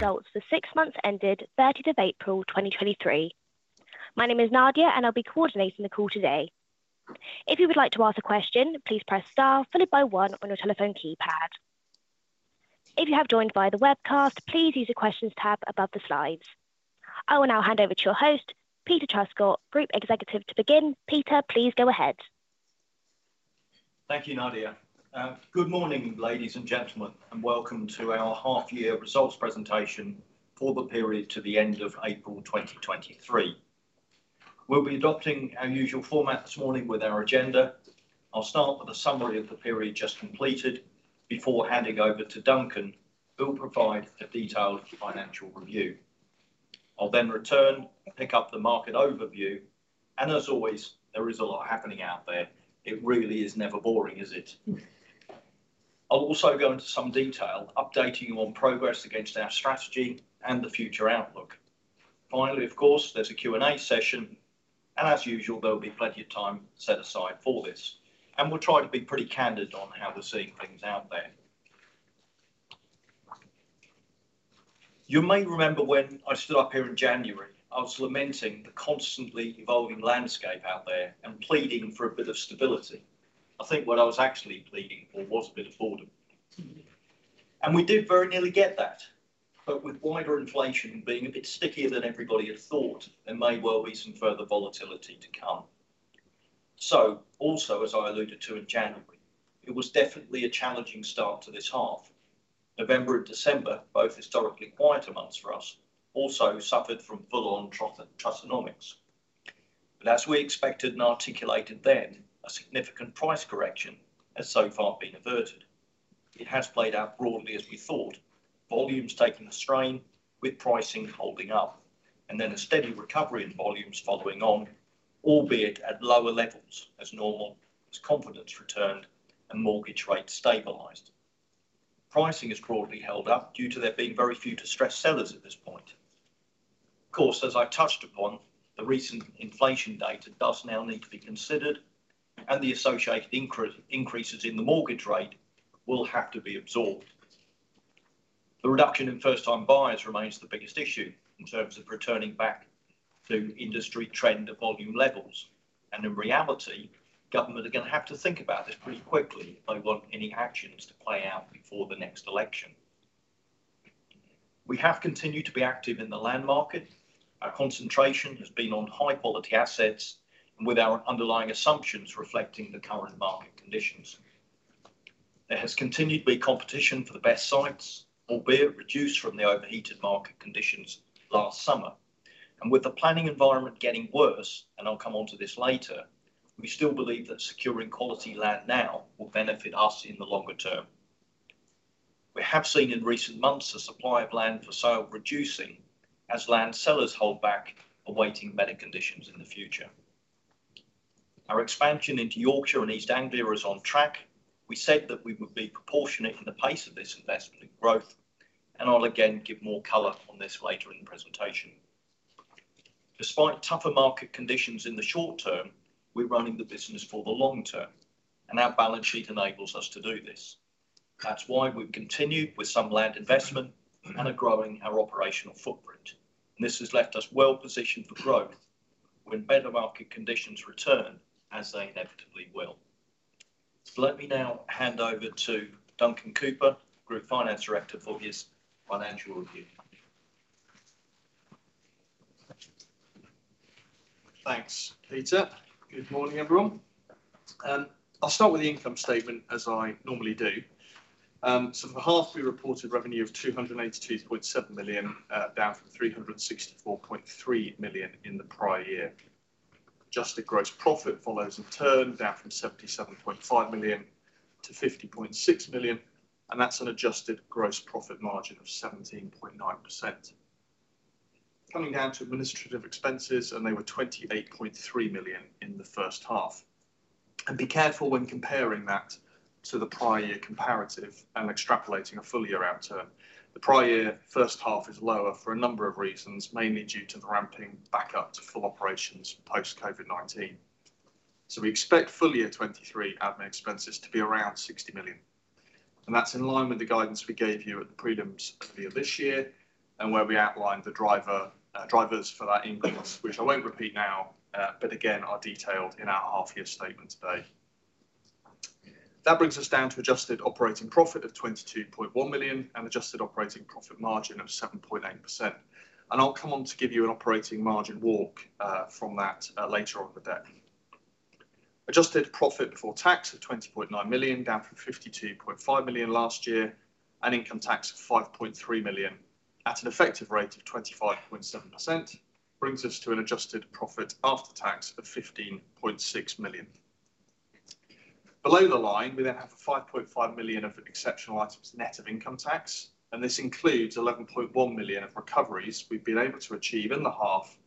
Results for 6 months ended 30th of April, 2023. My name is Nadia, and I'll be coordinating the call today. If you would like to ask a question, please press S followed by one on your telephone keypad. If you have joined via the webcast, please use the Questions tab above the slides. I will now hand over to your host, Peter Truscott, Chief Executive, to begin. Peter, please go ahead. Thank you, Nadia. Good morning, ladies and gentlemen, and welcome to our half year results presentation for the period to the end of April 2023. We'll be adopting our usual format this morning with our agenda. I'll start with a summary of the period just completed before handing over to Duncan, who will provide a detailed financial review. I'll then return, pick up the market overview, and as always, there is a lot happening out there. It really is never boring, is it? I'll also go into some detail, updating you on progress against our strategy and the future outlook. Finally, of course, there's a Q&A session, and as usual, there will be plenty of time set aside for this, and we'll try to be pretty candid on how we're seeing things out there. You may remember when I stood up here in January, I was lamenting the constantly evolving landscape out there and pleading for a bit of stability. I think what I was actually pleading for was a bit of boredom. We did very nearly get that, but with wider inflation being a bit stickier than everybody had thought, there may well be some further volatility to come. Also, as I alluded to in January, it was definitely a challenging start to this half. November and December, both historically quieter months for us, also suffered from full-on Trussonomics. As we expected and articulated then, a significant price correction has so far been averted. It has played out broadly as we thought. Volumes taking the strain, with pricing holding up and then a steady recovery in volumes following on, albeit at lower levels as normal, as confidence returned and mortgage rates stabilized. Pricing has broadly held up due to there being very few distressed sellers at this point. Of course, as I touched upon, the recent inflation data does now need to be considered, and the associated increases in the mortgage rate will have to be absorbed. The reduction in first-time buyers remains the biggest issue in terms of returning back to industry trend of volume levels, and in reality, government are going to have to think about this pretty quickly if they want any actions to play out before the next election. We have continued to be active in the land market. Our concentration has been on high-quality assets and with our underlying assumptions reflecting the current market conditions. There has continued to be competition for the best sites, albeit reduced from the overheated market conditions last summer. With the planning environment getting worse, and I'll come on to this later, we still believe that securing quality land now will benefit us in the longer term. We have seen in recent months the supply of land for sale reducing as land sellers hold back, awaiting better conditions in the future. Our expansion into Yorkshire and East Anglia is on track. We said that we would be proportionate in the pace of this investment and growth, and I'll again give more color on this later in the presentation. Despite tougher market conditions in the short term, we're running the business for the long term, and our balance sheet enables us to do this. That's why we've continued with some land investment and are growing our operational footprint. This has left us well positioned for growth when better market conditions return, as they inevitably will. Let me now hand over to Duncan Cooper, Group Finance Director, for his financial review. Thanks, Peter. Good morning, everyone. I'll start with the income statement, as I normally do. For the half, we reported revenue of £ 282.7 million, down from £ 364.3 million in the prior year. Adjusted gross profit follows in turn, down from £ 77.5 million to £ 50.6 million, and that's an adjusted gross profit margin of 17.9%. Coming down to administrative expenses, and they were £ 28.3 million in the first half. Be careful when comparing that to the prior year comparative and extrapolating a full year out to them. The prior year first half is lower for a number of reasons, mainly due to the ramping back up to full operations post COVID-19. We expect full year 2023 admin expenses to be around £ 60 million, that's in line with the guidance we gave you at the prelims earlier this year, where we outlined the driver, drivers for that increase, which I won't repeat now, but again, are detailed in our half year statement today. That brings us down to adjusted operating profit of £ 22.1 million and adjusted operating profit margin of 7.8%. I'll come on to give you an operating margin walk from that later on today. Adjusted profit before tax of £ 20.9 million, down from £ 52.5 million last year, income tax of £ 5.3 million at an effective rate of 25.7%, brings us to an adjusted profit after tax of £ 15.6 million. Below the line, we have a £ 5.5 million of exceptional items, net of income tax, and this includes £ 11.1 million of recoveries we've been able to achieve in the half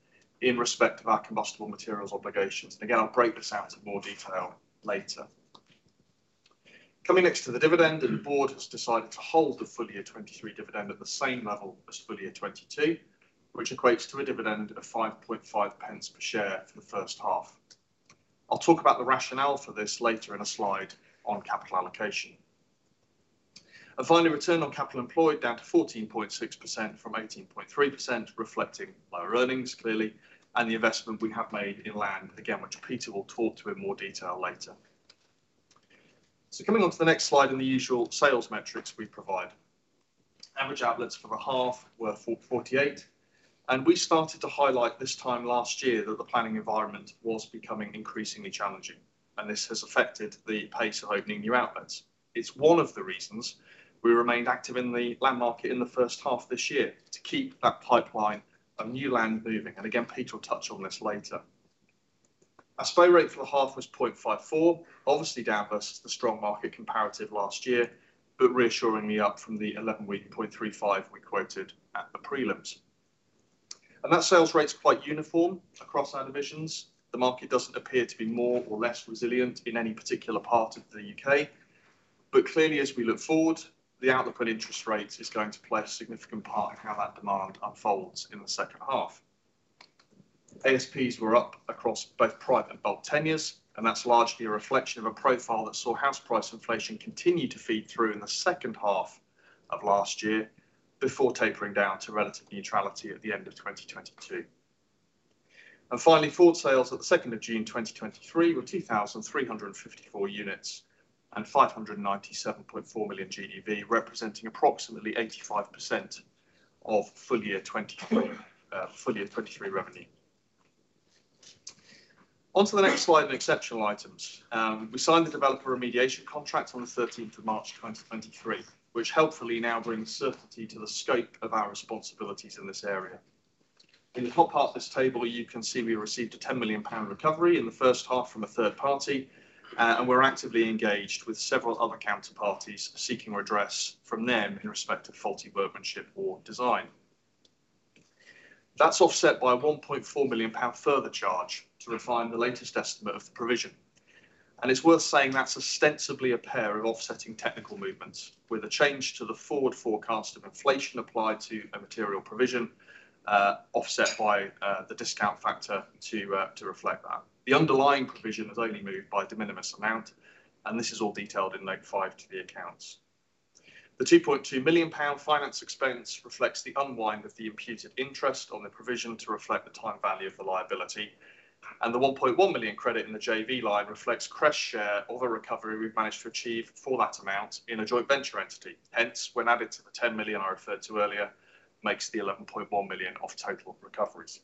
in respect of our combustible materials obligations. Again, I'll break this out into more detail later. Coming next to the dividend, the board has decided to hold the full year 2023 dividend at the same level as full year 2022, which equates to a dividend of £ 5.5 pence per share for the first half. I'll talk about the rationale for this later in a slide on capital allocation. Finally, return on capital employed down to 14.6% from 18.3%, reflecting lower earnings, clearly, and the investment we have made in land, again, which Peter will talk to in more detail later. Coming on to the next slide and the usual sales metrics we provide. Average outlets for the half were 448, and we started to highlight this time last year that the planning environment was becoming increasingly challenging, and this has affected the pace of opening new outlets. It's one of the reasons we remained active in the land market in the first half of this year, to keep that pipeline of new land moving, and again, Peter will touch on this later. Our SPOW rate for the half was 0.54, obviously down versus the strong market comparative last year, but reassuringly up from the 11-week 0.35 we quoted at the prelims. That sales rate's quite uniform across our divisions. The market doesn't appear to be more or less resilient in any particular part of the UK. Clearly, as we look forward, the outlook on interest rates is going to play a significant part in how that demand unfolds in the second half. ASPs were up across both private and bulk tenures, and that's largely a reflection of a profile that saw house price inflation continue to feed through in the second half of last year, before tapering down to relative neutrality at the end of 2022. Finally, forward sales at June 2, 2023 were 2,354 units and £ 597.4 million GDV, representing approximately 85% of full-year 23 revenue. On to the next slide on exceptional items. We signed the developer remediation contract on the 13th of March, 2023, which helpfully now brings certainty to the scope of our responsibilities in this area. In the top part of this table, you can see we received a £ 10 million recovery in the first half from a third party, and we're actively engaged with several other counterparties seeking redress from them in respect of faulty workmanship or design. That's offset by a £ 1.4 million further charge to refine the latest estimate of the provision, and it's worth saying that's ostensibly a pair of offsetting technical movements, with a change to the forward forecast of inflation applied to a material provision, offset by the discount factor to reflect that. The underlying provision has only moved by a de minimis amount. This is all detailed in note 5 to the accounts. The £ 2.2 million finance expense reflects the unwind of the imputed interest on the provision to reflect the time value of the liability. The £ 1.1 million credit in the JV line reflects Crest's share of a recovery we've managed to achieve for that amount in a joint venture entity. When added to the £ 10 million I referred to earlier, makes the £ 11.1 million of total recoveries.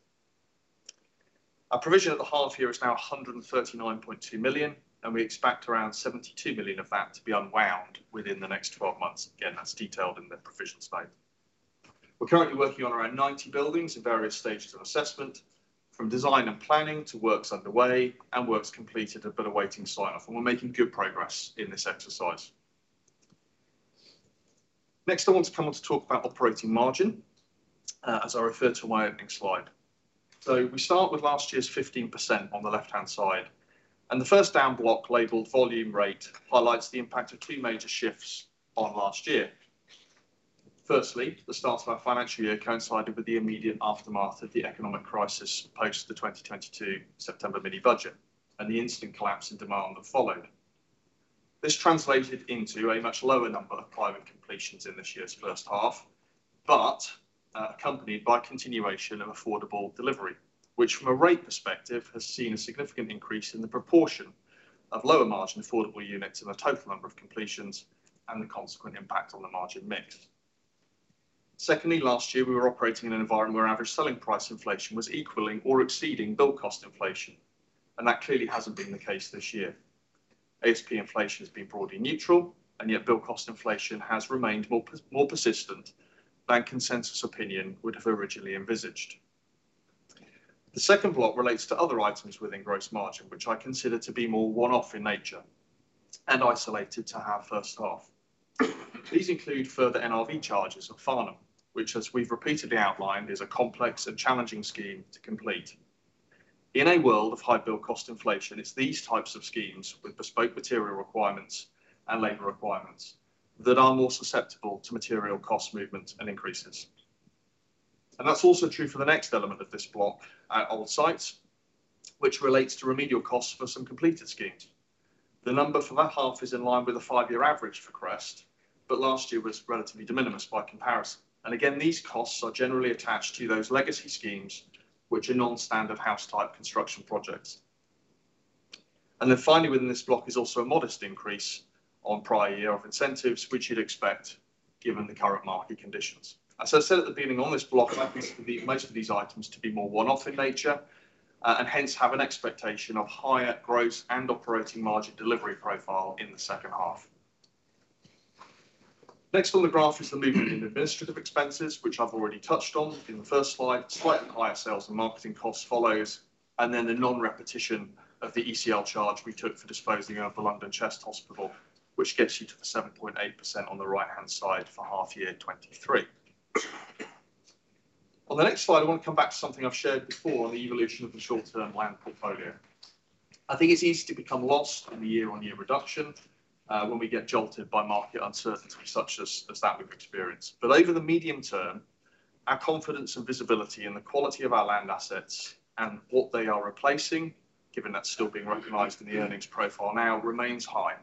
Our provision at the half year is now £ 139.2 million, and we expect around £ 72 million of that to be unwound within the next 12 months. Again, that's detailed in the provisions note. We're currently working on around 90 buildings in various stages of assessment, from design and planning to works underway and works completed, but awaiting sign-off. We're making good progress in this exercise. Next, I want to come on to talk about operating margin, as I referred to in my opening slide. We start with last year's 15% on the left-hand side. The first down block, labeled volume rate, highlights the impact of two major shifts on last year. Firstly, the start of our financial year coincided with the immediate aftermath of the economic crisis post the 2022 September mini-budget and the instant collapse in demand that followed. This translated into a much lower number of private completions in this year's first half, accompanied by continuation of affordable delivery, which, from a rate perspective, has seen a significant increase in the proportion of lower margin affordable units and the total number of completions and the consequent impact on the margin mix. Secondly, last year, we were operating in an environment where average selling price inflation was equaling or exceeding build cost inflation, that clearly hasn't been the case this year. ASP inflation has been broadly neutral, yet build cost inflation has remained more persistent than consensus opinion would have originally envisaged. The second block relates to other items within gross margin, which I consider to be more one-off in nature and isolated to our first half. These include further NRV charges at Farnham, which, as we've repeatedly outlined, is a complex and challenging scheme to complete. In a world of high build cost inflation, it's these types of schemes, with bespoke material requirements and labor requirements, that are more susceptible to material cost movements and increases. That's also true for the next element of this block, at old sites, which relates to remedial costs for some completed schemes. The number for that half is in line with the five-year average for Crest, last year was relatively de minimis by comparison. Again, these costs are generally attached to those legacy schemes, which are non-standard house type construction projects. Finally, within this block is also a modest increase on prior year of incentives, which you'd expect given the current market conditions. As I said at the beginning, on this block, I think most of these items to be more one-off in nature, and hence have an expectation of higher growth and operating margin delivery profile in the second half. On the graph is the movement in administrative expenses, which I've already touched on in the first slide. Slightly higher sales and marketing costs follows, and then the non-repetition of the ECL charge we took for disposing of the London Chest Hospital, which gets you to the 7.8% on the right-hand side for half year 2023. On the next slide, I want to come back to something I've shared before on the evolution of the short-term land portfolio. I think it's easy to become lost in the year-on-year reduction when we get jolted by market uncertainty such as that we've experienced. Our confidence and visibility in the quality of our land assets and what they are replacing, given that's still being recognized in the earnings profile now, remains high.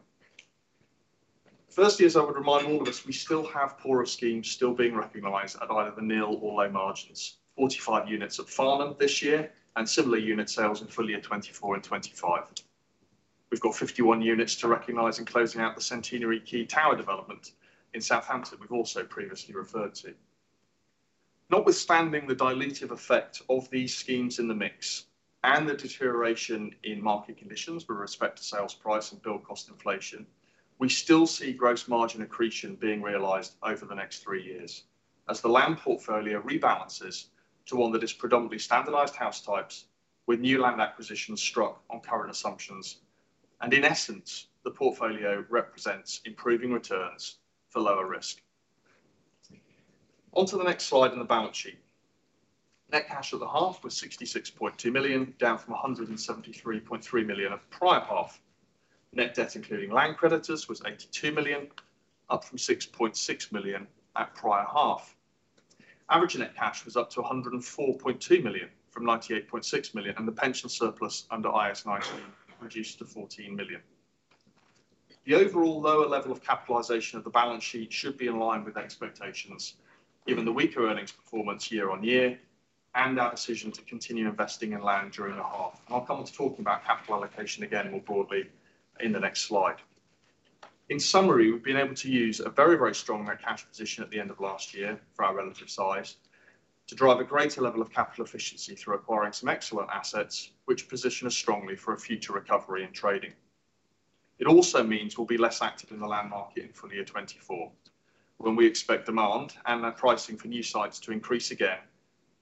Firstly, as I would remind all of us, we still have poorer schemes still being recognized at either the nil or low margins. 45 units at Farnham this year, and similar unit sales in full year 2024 and 2025. We've got 51 units to recognize in closing out the Centenary Quay tower development in Southampton we've also previously referred to. Notwithstanding the dilutive effect of these schemes in the mix and the deterioration in market conditions with respect to sales price and build cost inflation, we still see gross margin accretion being realized over the next three years as the land portfolio rebalances to one that is predominantly standardized house types, with new land acquisitions struck on current assumptions. In essence, the portfolio represents improving returns for lower risk. On to the next slide on the balance sheet. Net cash at the half was £ 66.2 million, down from £ 173.3 million at the prior half. Net debt, including land creditors, was £ 82 million, up from £ 6.6 million at prior half. Average net cash was up to £ 104.2 million, from £ 98.6 million, and the pension surplus under IAS 19 reduced to £ 14 million. The overall lower level of capitalization of the balance sheet should be in line with expectations, given the weaker earnings performance year-over-year, and our decision to continue investing in land during the half. I'll come on to talking about capital allocation again, more broadly in the next slide. In summary, we've been able to use a very, very strong net cash position at the end of last year for our relative size, to drive a greater level of capital efficiency through acquiring some excellent assets, which position us strongly for a future recovery in trading. It also means we'll be less active in the land market in full year 2024, when we expect demand and the pricing for new sites to increase again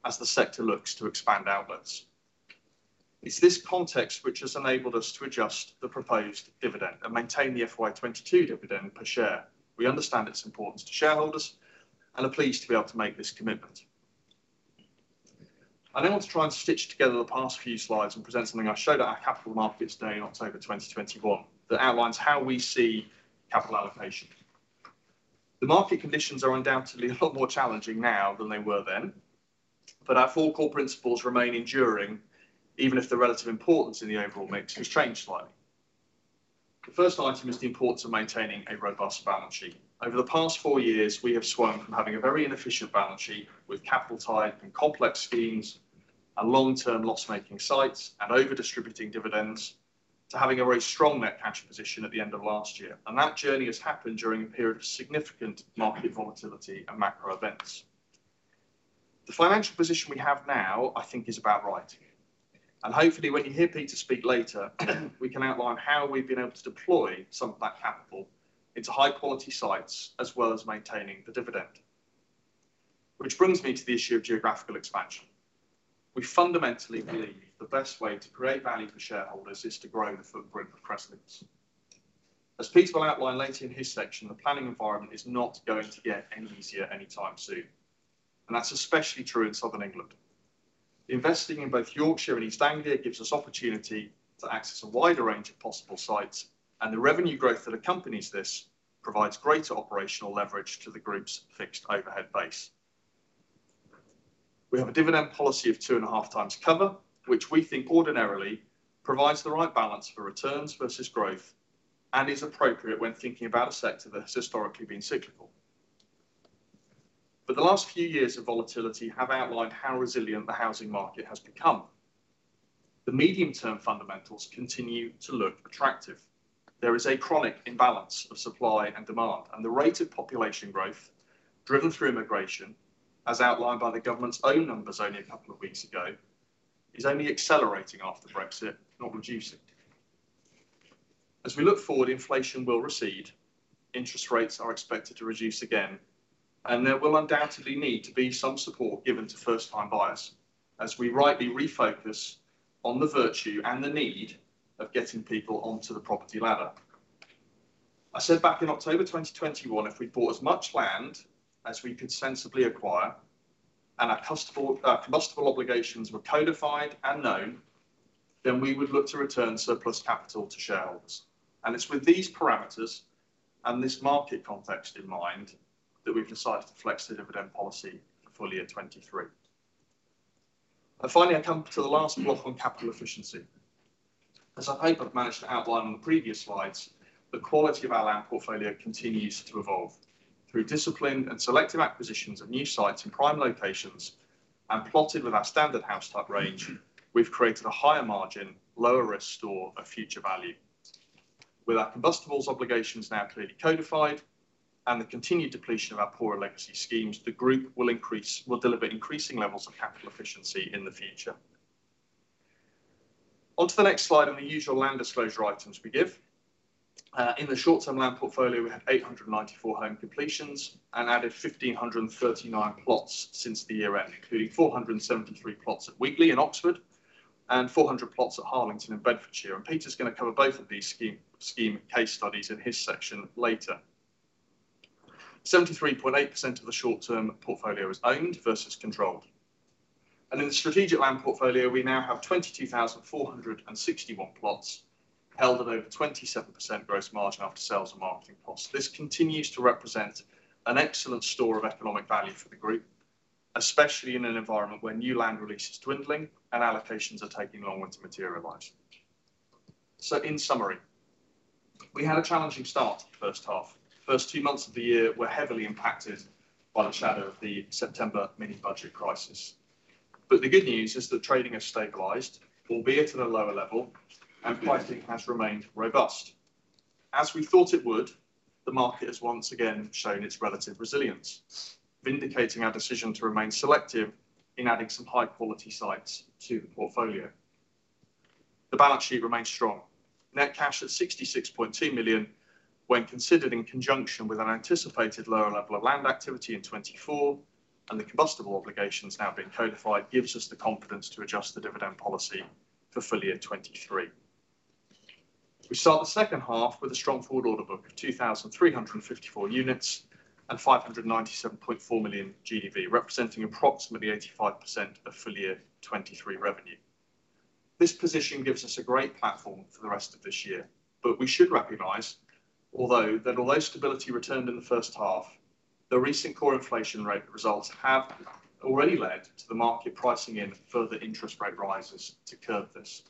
as the sector looks to expand outwards. It's this context which has enabled us to adjust the proposed dividend and maintain the FY 22 dividend per share. We understand its importance to shareholders and are pleased to be able to make this commitment. I now want to try and stitch together the past few slides and present something I showed at our Capital Markets Day in October 2021, that outlines how we see capital allocation. The market conditions are undoubtedly a lot more challenging now than they were then, our four core principles remain enduring, even if the relative importance in the overall mix has changed slightly. The first item is the importance of maintaining a robust balance sheet. Over the past four years, we have swung from having a very inefficient balance sheet with capital tied in complex schemes and long-term loss-making sites and over-distributing dividends, to having a very strong net cash position at the end of last year. That journey has happened during a period of significant market volatility and macro events. The financial position we have now, I think, is about right. Hopefully, when you hear Peter speak later, we can outline how we've been able to deploy some of that capital into high-quality sites, as well as maintaining the dividend. Which brings me to the issue of geographical expansion. We fundamentally believe the best way to create value for shareholders is to grow the footprint of Crest Nicholson. As Peter will outline later in his section, the planning environment is not going to get any easier anytime soon, and that's especially true in Southern England. Investing in both Yorkshire and East Anglia gives us opportunity to access a wider range of possible sites, and the revenue growth that accompanies this provides greater operational leverage to the group's fixed overhead base. We have a dividend policy of two and a half times cover, which we think ordinarily provides the right balance for returns versus growth and is appropriate when thinking about a sector that has historically been cyclical. The last few years of volatility have outlined how resilient the housing market has become. The medium-term fundamentals continue to look attractive. There is a chronic imbalance of supply and demand, the rate of population growth driven through immigration, as outlined by the government's own numbers only a couple of weeks ago, is only accelerating after Brexit, not reducing. As we look forward, inflation will recede, interest rates are expected to reduce again, there will undoubtedly need to be some support given to first-time buyers, as we rightly refocus on the virtue and the need of getting people onto the property ladder. I said back in October 2021, if we bought as much land as we could sensibly acquire, and our combustible obligations were codified and known, then we would look to return surplus capital to shareholders. It's with these parameters and this market context in mind, that we've decided to flex the dividend policy for full year 23. Finally, I come to the last block on capital efficiency. As I hope I've managed to outline on the previous slides, the quality of our land portfolio continues to evolve. Through discipline and selective acquisitions of new sites in prime locations, and plotted with our standard house type range, we've created a higher margin, lower risk store of future value. With our combustibles obligations now clearly codified and the continued depletion of our poor legacy schemes, the group will deliver increasing levels of capital efficiency in the future. On to the next slide on the usual land disclosure items we give. In the short-term land portfolio, we had 894 home completions and added 1,539 plots since the year-end, including 473 plots at Wheatley in Oxford and 400 plots at Harlington in Bedfordshire. Peter's going to cover both of these scheme case studies in his section later. 73.8% of the short-term portfolio is owned versus controlled. In the strategic land portfolio, we now have 22,461 plots held at over 27% gross margin after sales and marketing costs. This continues to represent an excellent store of economic value for the group, especially in an environment where new land release is dwindling and allocations are taking longer to materialize. In summary, we had a challenging start to the first half. First two months of the year were heavily impacted by the shadow of the September mini-budget crisis. The good news is that trading has stabilized, albeit at a lower level, and pricing has remained robust. As we thought it would, the market has once again shown its relative resilience, vindicating our decision to remain selective in adding some high-quality sites to the portfolio. The balance sheet remains strong. Net cash at £ 66.2 million, when considered in conjunction with an anticipated lower level of land activity in 2024, and the combustible obligations now being codified, gives us the confidence to adjust the dividend policy for full year 2023. We start the second half with a strong forward order book of 2,354 units and £ 597.4 million GDV, representing approximately 85% of full year 2023 revenue. This position gives us a great platform for the rest of this year, but we should recognize, although, that although stability returned in the first half, the recent core inflation rate results have already led to the market pricing in further interest rate rises to curb this.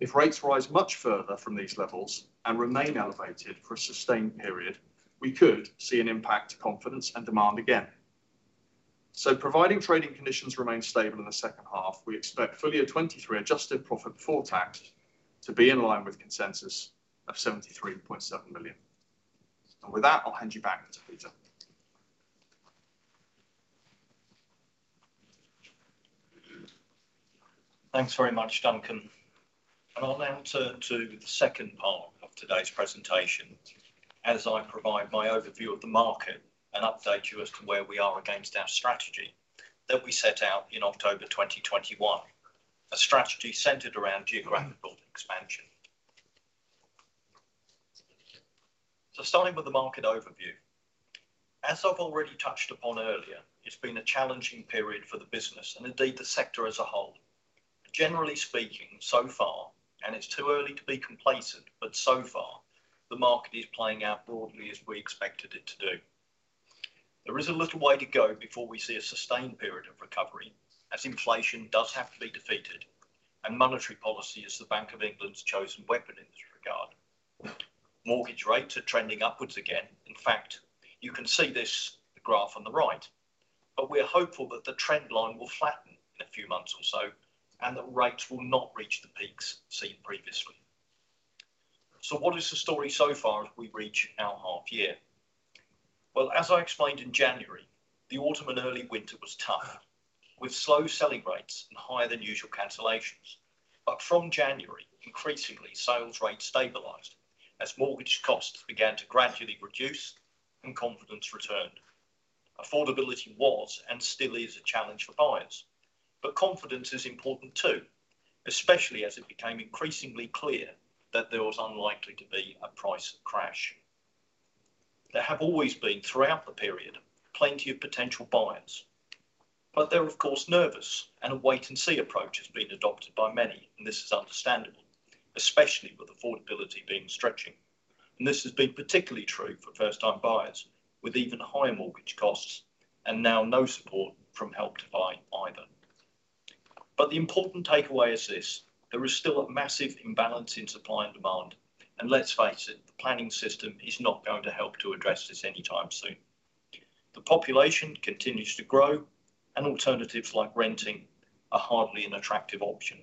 If rates rise much further from these levels and remain elevated for a sustained period, we could see an impact to confidence and demand again. Providing trading conditions remain stable in the second half, we expect full year 2023 adjusted profit before tax to be in line with consensus of £ 73.7 million. With that, I'll hand you back to Peter. Thanks very much, Duncan. I'll now turn to the second part of today's presentation as I provide my overview of the market and update you as to where we are against our strategy that we set out in October 2021, a strategy centered around geographical expansion. Starting with the market overview. As I've already touched upon earlier, it's been a challenging period for the business and indeed the sector as a whole. Generally speaking, so far, and it's too early to be complacent, but so far the market is playing out broadly as we expected it to do. There is a little way to go before we see a sustained period of recovery, as inflation does have to be defeated and monetary policy is the Bank of England's chosen weapon in this regard. Mortgage rates are trending upwards again. In fact, you can see this, the graph on the right, but we're hopeful that the trend line will flatten in a few months or so, and that rates will not reach the peaks seen previously. What is the story so far as we reach our half year? As I explained in January, the autumn and early winter was tough, with slow selling rates and higher than usual cancellations. From January, increasingly, sales rates stabilized as mortgage costs began to gradually reduce and confidence returned. Affordability was and still is a challenge for buyers, but confidence is important too, especially as it became increasingly clear that there was unlikely to be a price crash. There have always been, throughout the period, plenty of potential buyers, but they're of course nervous, and a wait and see approach has been adopted by many, and this is understandable, especially with affordability being stretching. This has been particularly true for first time buyers with even higher mortgage costs and now no support from Help to Buy either. The important takeaway is this: there is still a massive imbalance in supply and demand, and let's face it, the planning system is not going to help to address this anytime soon. The population continues to grow, and alternatives like renting are hardly an attractive option.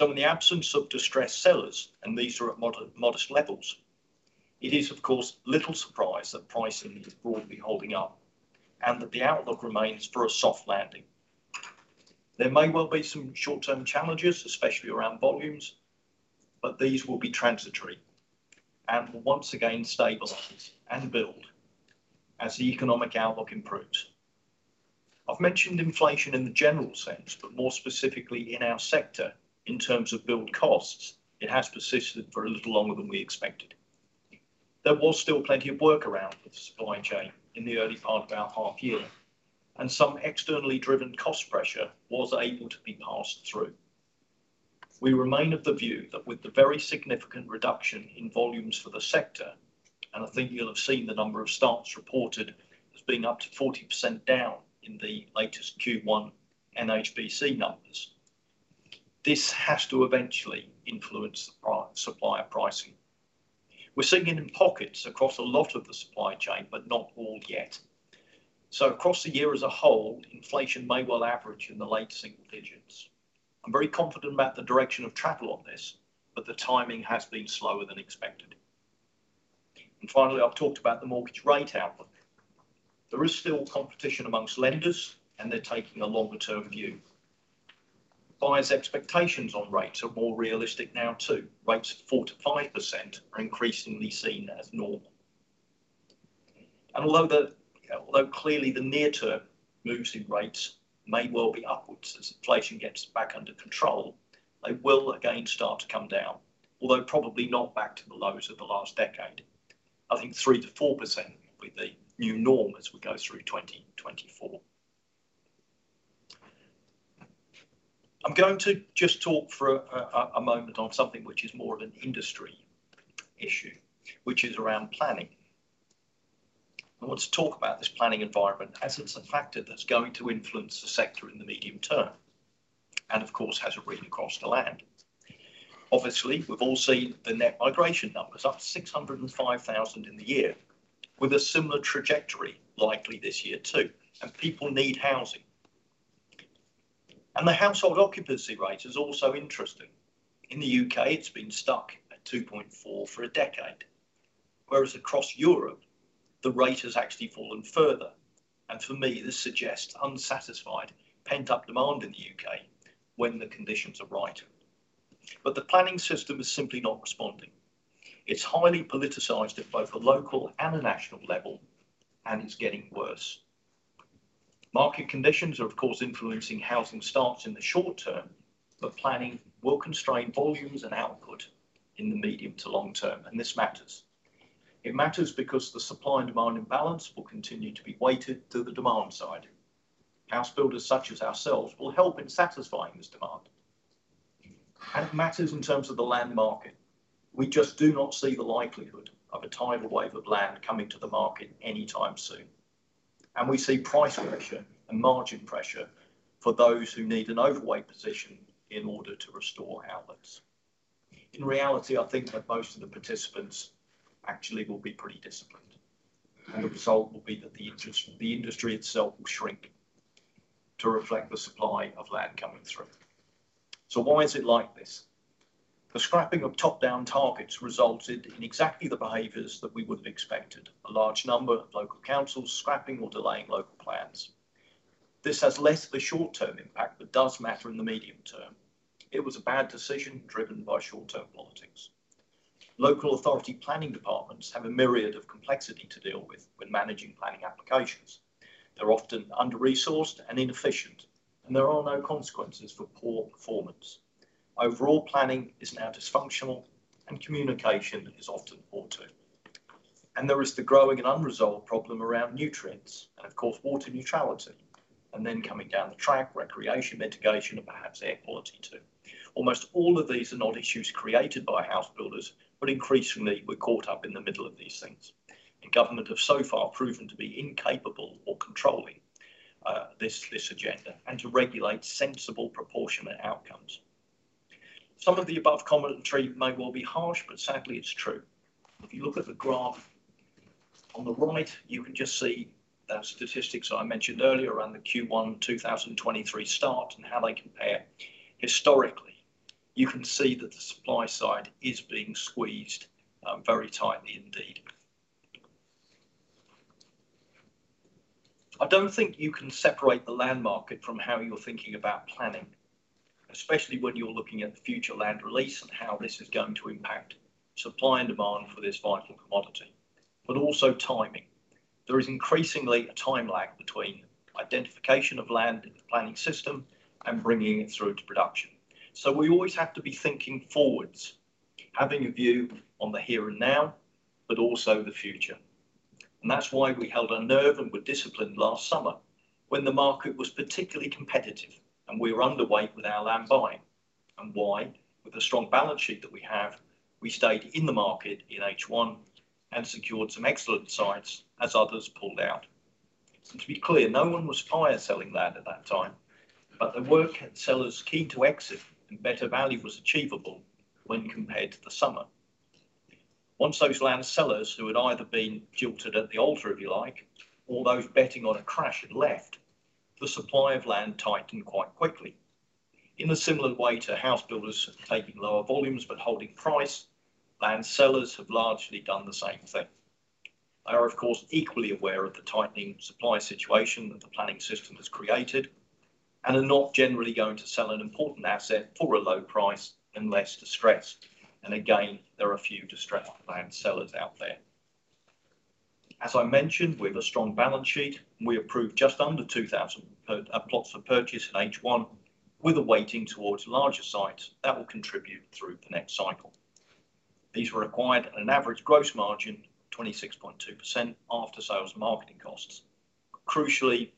In the absence of distressed sellers, and these are at modest levels, it is of course, little surprise that pricing is broadly holding up and that the outlook remains for a soft landing. There may well be some short-term challenges, especially around volumes, but these will be transitory and will once again stabilize and build as the economic outlook improves. I've mentioned inflation in the general sense, but more specifically in our sector. In terms of build costs, it has persisted for a little longer than we expected. There was still plenty of work around with the supply chain in the early part of our half year, and some externally driven cost pressure was able to be passed through. We remain of the view that with the very significant reduction in volumes for the sector, and I think you'll have seen the number of starts reported as being up to 40% down in the latest Q1 NHBC numbers, this has to eventually influence supplier pricing. We're seeing it in pockets across a lot of the supply chain, but not all yet. Across the year as a whole, inflation may well average in the low to single digits. I'm very confident about the direction of travel on this, but the timing has been slower than expected. Finally, I've talked about the mortgage rate outlook. There is still competition amongst lenders, and they're taking a longer-term view. Buyers' expectations on rates are more realistic now, too. Rates of 4% to 5% are increasingly seen as normal. Although clearly the near-term moves in rates may well be upwards as inflation gets back under control, they will again start to come down, although probably not back to the lows of the last decade. I think 3% to 4% will be the new norm as we go through 2024. I'm going to just talk for a moment on something which is more of an industry issue, which is around planning. I want to talk about this planning environment as it's a factor that's going to influence the sector in the medium term, and of course, has a reach across the land. Obviously, we've all seen the net migration numbers, up to 605,000 in the year, with a similar trajectory likely this year, too. People need housing. The household occupancy rate is also interesting. In the U.K., it's been stuck at 2.4 for a decade, whereas across Europe, the rate has actually fallen further, and for me, this suggests unsatisfied, pent-up demand in the U.K. when the conditions are right. The planning system is simply not responding. It's highly politicized at both a local and a national level. It's getting worse. Market conditions are, of course, influencing housing starts in the short term. Planning will constrain volumes and output in the medium to long term. This matters. It matters because the supply and demand imbalance will continue to be weighted to the demand side. House builders, such as ourselves, will help in satisfying this demand. It matters in terms of the land market. We just do not see the likelihood of a tidal wave of land coming to the market anytime soon, and we see price pressure and margin pressure for those who need an overweight position in order to restore outlets. In reality, I think that most of the participants actually will be pretty disciplined, and the result will be that the industry itself will shrink to reflect the supply of land coming through. Why is it like this? The scrapping of top-down targets resulted in exactly the behaviors that we would have expected: a large number of local councils scrapping or delaying local plans. This has less of a short-term impact, but does matter in the medium term. It was a bad decision driven by short-term politics. Local authority planning departments have a myriad of complexity to deal with when managing planning applications. They're often under-resourced and inefficient, and there are no consequences for poor performance. Overall, planning is now dysfunctional, and communication is often poor, too. There is the growing and unresolved problem around nutrients and, of course, water neutrality, and then coming down the track, recreation, mitigation, and perhaps air quality, too. Almost all of these are not issues created by housebuilders, but increasingly we're caught up in the middle of these things. The government have so far proven to be incapable or controlling this agenda, and to regulate sensible, proportionate outcomes. Some of the above commentary may well be harsh, but sadly, it's true. If you look at the graph on the right, you can just see the statistics I mentioned earlier around the Q1 2023 start and how they compare historically. You can see that the supply side is being squeezed very tightly indeed. I don't think you can separate the land market from how you're thinking about planning, especially when you're looking at the future land release and how this is going to impact supply and demand for this vital commodity, but also timing. There is increasingly a time lag between identification of land in the planning system and bringing it through to production. We always have to be thinking forwards, having a view on the here and now, but also the future. That's why we held our nerve and were disciplined last summer when the market was particularly competitive, and we were underweight with our land buying. Why, with the strong balance sheet that we have, we stayed in the market in H1 and secured some excellent sites as others pulled out. To be clear, no one was fire selling land at that time, but there were sellers keen to exit, and better value was achievable when compared to the summer. Once those land sellers, who had either been jilted at the altar, if you like, or those betting on a crash had left, the supply of land tightened quite quickly. In a similar way to house builders taking lower volumes but holding price, land sellers have largely done the same thing. They are, of course, equally aware of the tightening supply situation that the planning system has created and are not generally going to sell an important asset for a low price unless distressed. Again, there are a few distressed land sellers out there. As I mentioned, we have a strong balance sheet, and we approved just under 2,000 plots for purchase in H1, with a weighting towards larger sites that will contribute through the next cycle. These were acquired at an average gross margin, 26.2%, after sales and marketing costs. Crucially,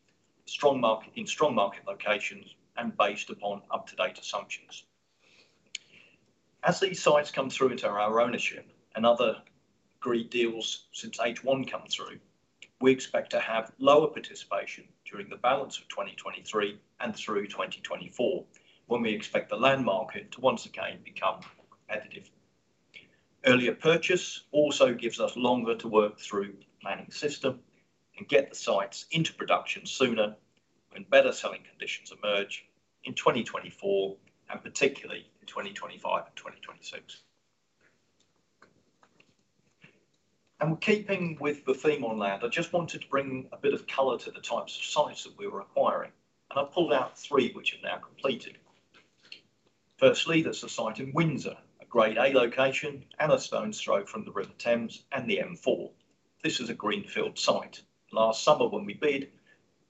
in strong market locations and based upon up-to-date assumptions. As these sites come through into our ownership and other agreed deals since H1 come through, we expect to have lower participation during the balance of 2023 and through 2024, when we expect the land market to once again become more competitive. Earlier purchase also gives us longer to work through the planning system and get the sites into production sooner when better selling conditions emerge in 2024, and particularly in 2025 and 2026. Keeping with the theme on land, I just wanted to bring a bit of color to the types of sites that we were acquiring, and I've pulled out three which are now completed. Firstly, there's the site in Windsor, a grade A location and a stone's throw from the River Thames and the M4. This is a greenfield site. Last summer, when we bid,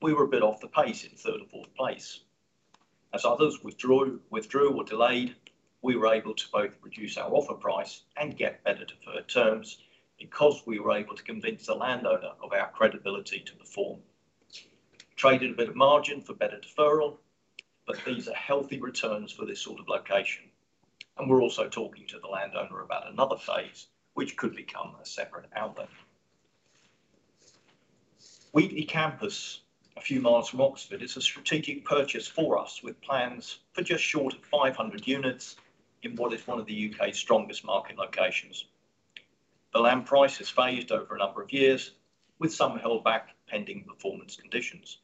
we were a bit off the pace in third and fourth place. As others withdrew or delayed, we were able to both reduce our offer price and get better deferred terms because we were able to convince the landowner of our credibility to perform. Traded a bit of margin for better deferral, but these are healthy returns for this sort of location, and we're also talking to the landowner about another phase, which could become a separate outlet. Wheatley Campus, a few miles from Oxford, is a strategic purchase for us, with plans for just short of 500 units in what is one of the UK's strongest market locations. The land price is phased over a number of years, with some held back pending performance conditions.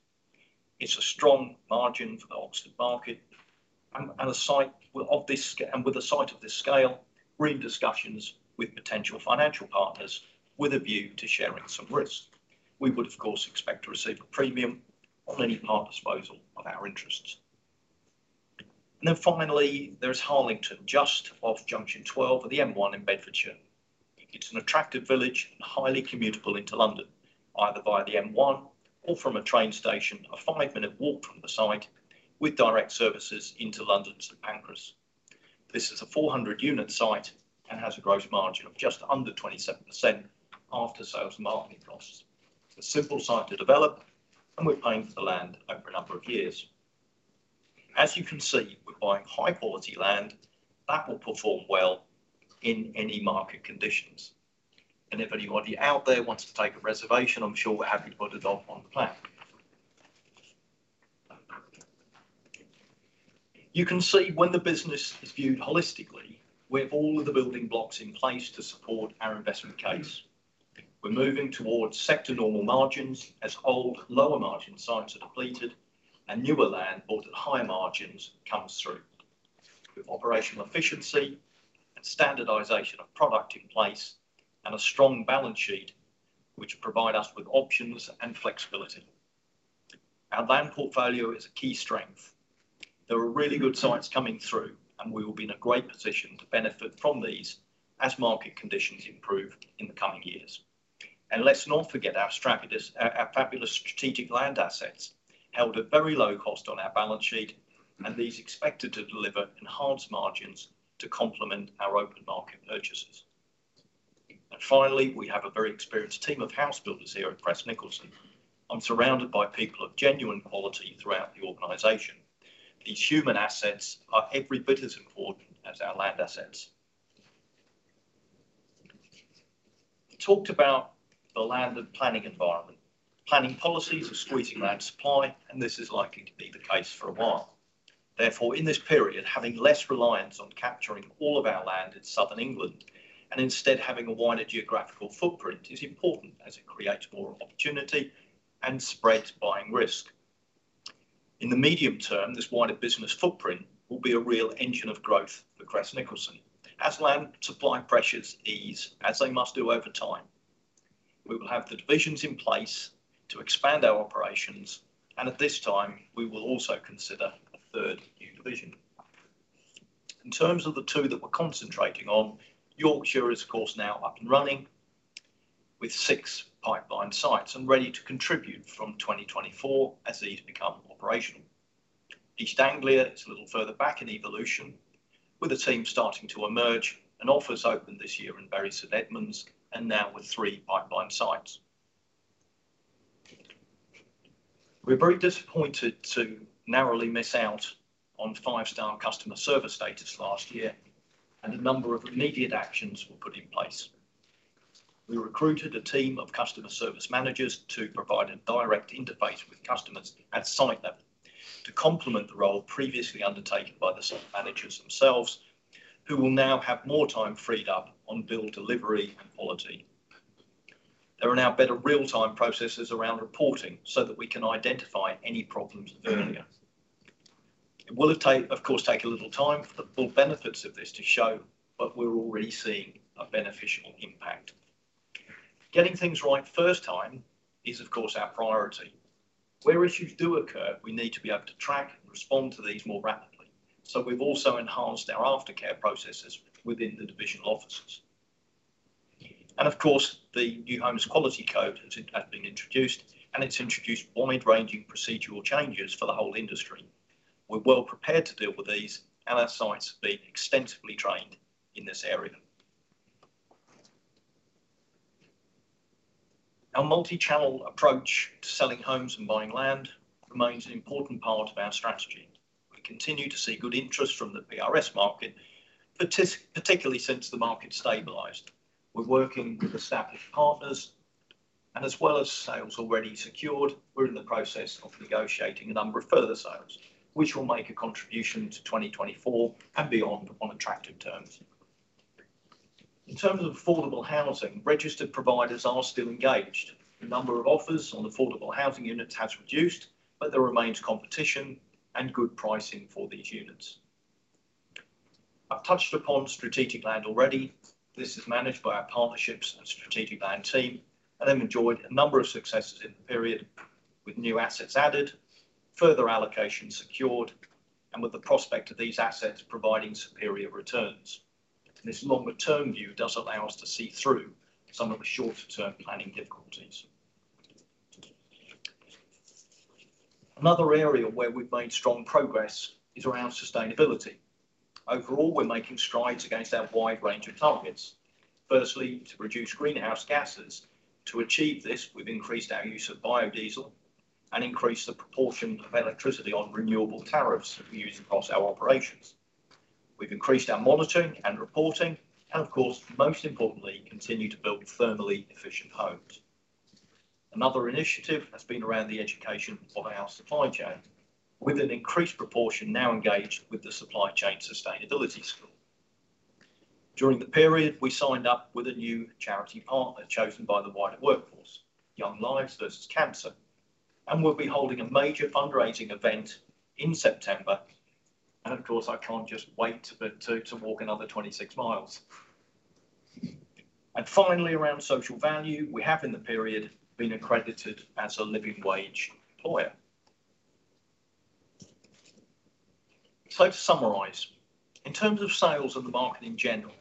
It's a strong margin for the Oxford market and with a site of this scale, we're in discussions with potential financial partners with a view to sharing some risk. We would, of course, expect to receive a premium on any part disposal of our interests. Finally, there is Harlington, just off junction 12 of the M1 in Bedfordshire. It's an attractive village and highly commutable into London, either via the M1 or from a train station, a 5-minute walk from the site, with direct services into London St Pancras. This is a 400 unit site and has a gross margin of just under 27% after sales and marketing costs. It's a simple site to develop. We're paying for the land over a number of years. As you can see, we're buying high quality land that will perform well in any market conditions. If anybody out there wants to take a reservation, I'm sure we're happy to put a dot on the plan. You can see when the business is viewed holistically, we have all of the building blocks in place to support our investment case. We're moving towards sector normal margins as old, lower margin sites are depleted and newer land bought at higher margins comes through. With operational efficiency and standardization of product in place, and a strong balance sheet, which provide us with options and flexibility. Our land portfolio is a key strength. There are really good sites coming through. We will be in a great position to benefit from these as market conditions improve in the coming years. Let's not forget our fabulous strategic land assets, held at very low cost on our balance sheet, and these expected to deliver enhanced margins to complement our open market purchases. Finally, we have a very experienced team of house builders here at Crest Nicholson. I'm surrounded by people of genuine quality throughout the organization. These human assets are every bit as important as our land assets. We talked about the land and planning environment. Planning policies are squeezing land supply, and this is likely to be the case for a while. In this period, having less reliance on capturing all of our land in Southern England and instead having a wider geographical footprint is important as it creates more opportunity and spreads buying risk. In the medium term, this wider business footprint will be a real engine of growth for Crest Nicholson. As land supply pressures ease, as they must do over time, we will have the divisions in place to expand our operations, and at this time, we will also consider a third new division. In terms of the two that we're concentrating on, Yorkshire is of course now up and running, with six pipeline sites and ready to contribute from 2024 as these become operational. East Anglia is a little further back in evolution, with the team starting to emerge and office opened this year in Bury St Edmunds and now with three pipeline sites. We were very disappointed to narrowly miss out on 5-star customer service status last year. A number of immediate actions were put in place. We recruited a team of customer service managers to provide a direct interface with customers at site level, to complement the role previously undertaken by the site managers themselves, who will now have more time freed up on build, delivery, and quality. There are now better real-time processes around reporting so that we can identify any problems earlier. It will, of course, take a little time for the full benefits of this to show, but we're already seeing a beneficial impact. Getting things right first time is, of course, our priority. Where issues do occur, we need to be able to track and respond to these more rapidly. We've also enhanced our aftercare processes within the divisional offices. Of course, the New Homes Quality Code has been introduced, and it's introduced wide-ranging procedural changes for the whole industry. We're well prepared to deal with these, and our sites have been extensively trained in this area. Our multi-channel approach to selling homes and buying land remains an important part of our strategy. We continue to see good interest from the PRS market, particularly since the market stabilized. We're working with established partners, and as well as sales already secured, we're in the process of negotiating a number of further sales, which will make a contribution to 2024 and beyond on attractive terms. In terms of affordable housing, registered providers are still engaged. The number of offers on affordable housing units has reduced, but there remains competition and good pricing for these units. I've touched upon strategic land already. This is managed by our partnerships and strategic land team. They've enjoyed a number of successes in the period, with new assets added, further allocations secured, and with the prospect of these assets providing superior returns. This longer-term view does allow us to see through some of the shorter-term planning difficulties. Another area where we've made strong progress is around sustainability. Overall, we're making strides against our wide range of targets. Firstly, to reduce greenhouse gases. To achieve this, we've increased our use of biodiesel and increased the proportion of electricity on renewable tariffs that we use across our operations. We've increased our monitoring and reporting. Of course, most importantly, continue to build thermally efficient homes. Another initiative has been around the education of our supply chain, with an increased proportion now engaged with the Supply Chain Sustainability School. During the period, we signed up with a new charity partner chosen by the wider workforce, Young Lives vs Cancer. We'll be holding a major fundraising event in September. Of course, I can't just wait to walk another 26 miles. Finally, around social value, we have, in the period, been accredited as a living wage employer. To summarize, in terms of sales and the market in general,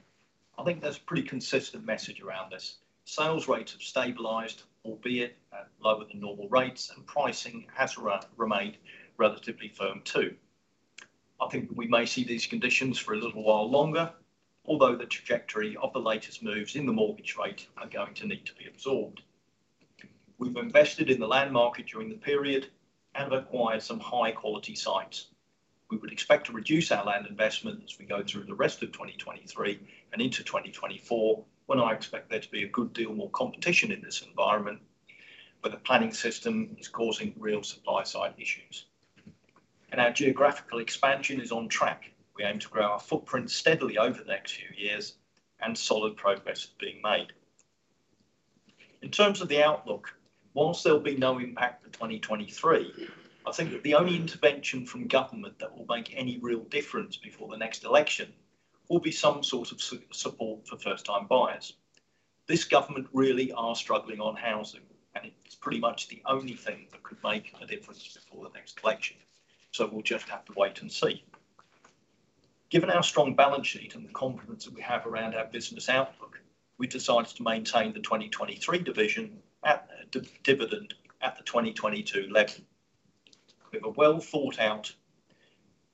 I think there's a pretty consistent message around this. Sales rates have stabilized, albeit at lower than normal rates. Pricing has remained relatively firm, too. I think we may see these conditions for a little while longer, although the trajectory of the latest moves in the mortgage rate are going to need to be absorbed. We've invested in the land market during the period and have acquired some high quality sites. We would expect to reduce our land investment as we go through the rest of 2023 and into 2024, when I expect there to be a good deal more competition in this environment, where the planning system is causing real supply side issues. Our geographical expansion is on track. We aim to grow our footprint steadily over the next few years, and solid progress is being made. In terms of the outlook, whilst there'll be no impact for 2023, I think that the only intervention from government that will make any real difference before the next election will be some sort of support for first time buyers. This government really are struggling on housing, and it's pretty much the only thing that could make a difference before the next election. We'll just have to wait and see. Given our strong balance sheet and the confidence that we have around our business outlook, we've decided to maintain the 2023 dividend at the 2022 level. We have a well thought out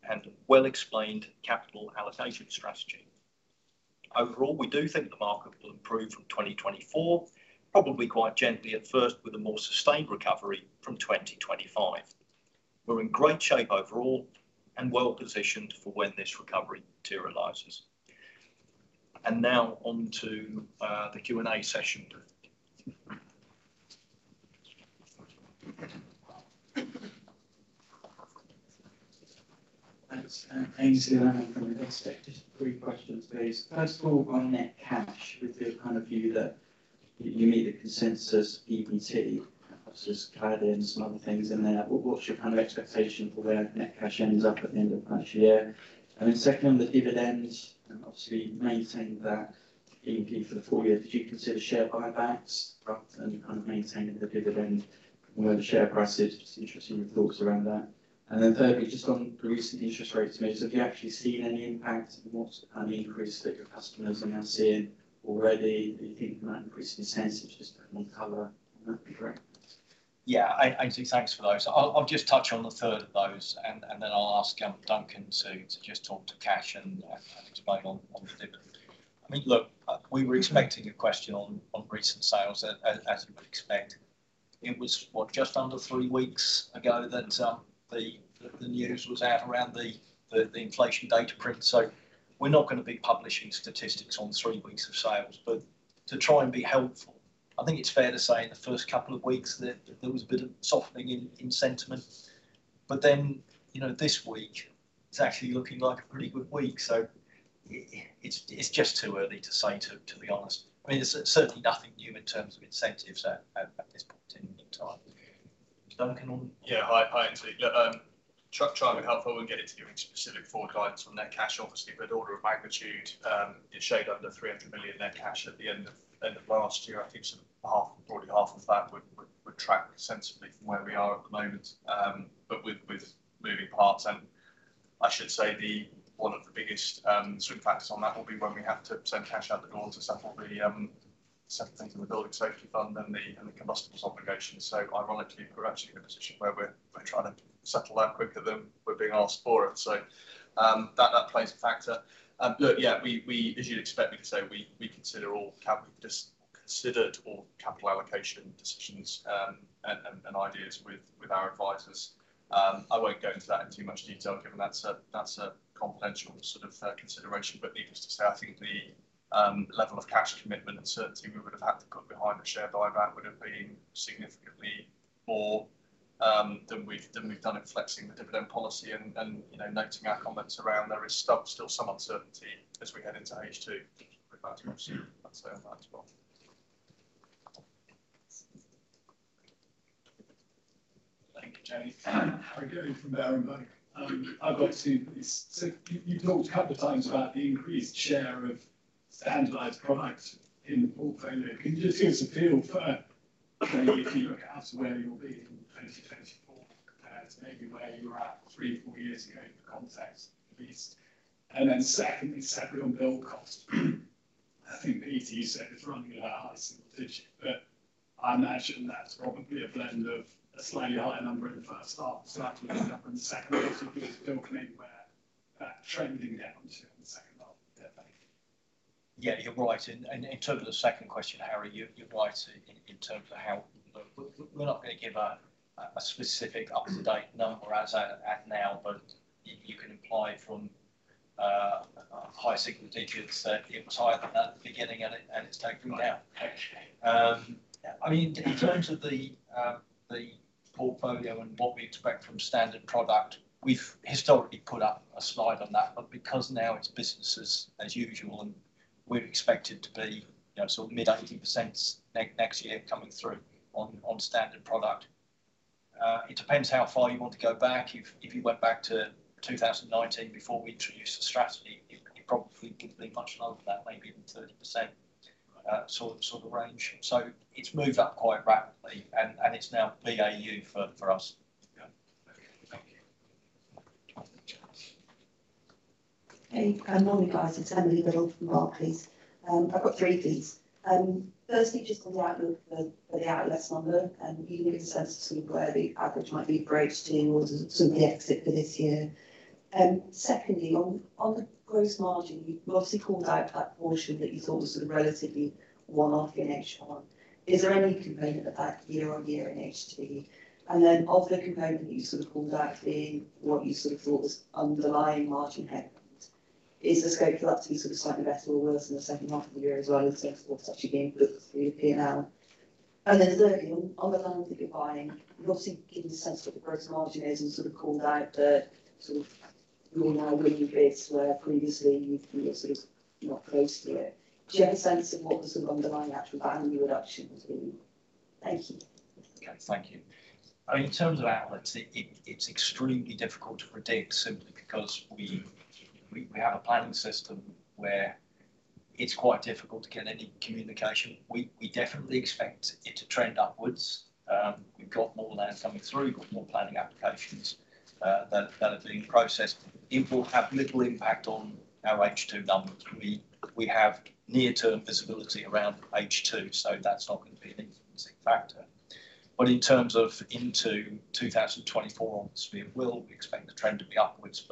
and well explained capital allocation strategy. Overall, we do think the market will improve from 2024, probably quite gently at first, with a more sustained recovery from 2025. We're in great shape overall and well positioned for when this recovery materializes. Now on to the Q&A session. Thanks. Aynsley Lammin from Investec. Just three questions, please. First of all, on net cash, with your kind of view that you meet the consensus EBT, just tie in some other things in there. What's your kind of expectation for where net cash ends up at the end of the financial year? Secondly, on the dividend, obviously maintaining that EBT for the full year, did you consider share buybacks rather than kind of maintaining the dividend where the share price is? Just interested in your thoughts around that. Thirdly, just on the recent interest rate moves, have you actually seen any impact and what's the kind of increase that your customers are now seeing already? Do you think that increase in incentive, just put more color on that would be great. Yeah, Aynsley, thanks for those. I'll just touch on the third of those, and then I'll ask Duncan to just talk to cash and expand on the dividend. I mean, look, we were expecting a question on recent sales as you would expect. It was, what? Just under three weeks ago that the news was out around the inflation data print. To try and be helpful, I think it's fair to say in the first couple of weeks that there was a bit of softening in sentiment. You know, this week it's actually looking like a pretty good week, so it's just too early to say to be honest. I mean, there's certainly nothing new in terms of incentives at this point in time. Duncan? Yeah. Hi, Aynsley. Look, trying to be helpful and get into the specific forward guidance on net cash, obviously, but order of magnitude, it showed under £ 300 million net cash at the end of last year. I think sort of half, broadly half of that would track sensibly from where we are at the moment. But with moving parts, and I should say, one of the biggest swing factors on that will be when we have to send cash out the door to settle things in the Building Safety Fund and the combustibles obligations. Ironically, we're actually in a position where we're trying to settle that quicker than we're being asked for it. That plays a factor. As you'd expect me to say, we considered all capital allocation decisions and ideas with our advisors. I won't go into that in too much detail, given that's a confidential sort of consideration. Needless to say, I think the level of cash commitment and certainty we would have had to put behind a share buyback would have been significantly more than we've done in flexing the dividend policy. you know, noting our comments around, there is still some uncertainty as we head into H2 with that, obviously, I'd say on that as well. Thank you, Jamie. Harry Goad from Berenberg. You talked a couple of times about the increased share of standardized products in the portfolio. Can you just give us a feel for, if you look at where you'll be in 2024? That's maybe where you were at three, four years ago in context, at least. Then secondly, separately on build cost, I think, Peter, you said it's running at a high single digit, I imagine that's probably a blend of a slightly higher number in the first half, slightly lower in the second half, because build may were trending down to the second half, definitely. Yeah, you're right. In terms of the second question, Harry, you're right in terms of how we're not going to give a specific up-to-date number as at now, but you can imply from high single digits that it was higher than that at the beginning, and it's taken down. Right. Okay. I mean, in terms of the portfolio and what we expect from standard product, we've historically put up a slide on that. Because now it's business as usual, and we're expected to be, you know, sort of mid-18% next year coming through on standard product. It depends how far you want to go back. If you went back to 2019, before we introduced the strategy, it probably could be much lower than that, maybe even 30%. Right. Sort of range. It's moved up quite rapidly, and it's now BAU for us. Yeah. Okay. Thank you. Hey, morning, guys. It's Emily Biddulph from Barclays. I've got three things. Firstly, just on the outlook for the outlets number, you can give a sense of sort of where the average might be for H2 or sort of the exit for this year. Secondly, on the gross margin, you've obviously called out that portion that you thought was sort of relatively one-off in H1. Is there any component of that year-on-year in H2? Of the component you sort of called out what you sort of thought was underlying margin headroom, is the scope for that to be sort of slightly better or worse in the second half of the year, as well in terms of what's actually being put through P&L? Thirdly, on the land that you're buying, you obviously gave a sense of what the gross margin is, and sort of called out the sort of rule now witty bits where previously you were sort of not close to it. Do you have a sense of what the sort of underlying actual value reduction would be? Thank you. Okay, thank you. I mean, in terms of outlets, it's extremely difficult to predict simply because we have a planning system where it's quite difficult to get any communication. We definitely expect it to trend upwards. We've got more land coming through. We've got more planning applications that are being processed. Import have little impact on our H2 numbers. We have near-term visibility around H2, so that's not going to be an influencing factor. In terms of into 2024, we will expect the trend to be upwards,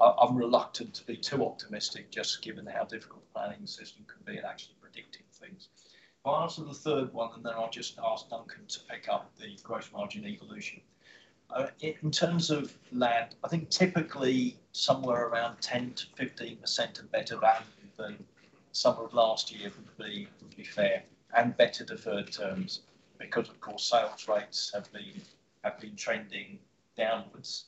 but I'm reluctant to be too optimistic, just given how difficult the planning system can be in actually predicting things. If I answer the third one, and then I'll just ask Duncan to pick up the gross margin evolution. In terms of land, I think typically somewhere around 10%-15% of better value than summer of last year would be fair and better deferred terms, because of course, sales rates have been trending downwards.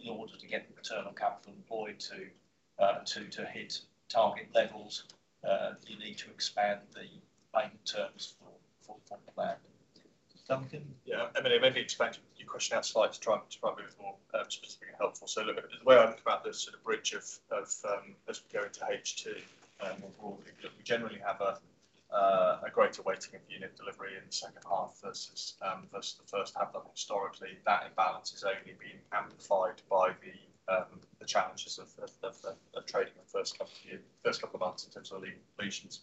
In order to get the return on capital employed to hit target levels, you need to expand the payment terms for land. Duncan? Yeah. Emily, maybe expand your question out slight to try and be more specifically helpful. Look, the way I think about the sort of bridge of as we go into H2, we generally have a greater weighting of unit delivery in the second half versus the first half. Historically, that imbalance has only been amplified by the challenges of trading the first couple of months in terms of completions.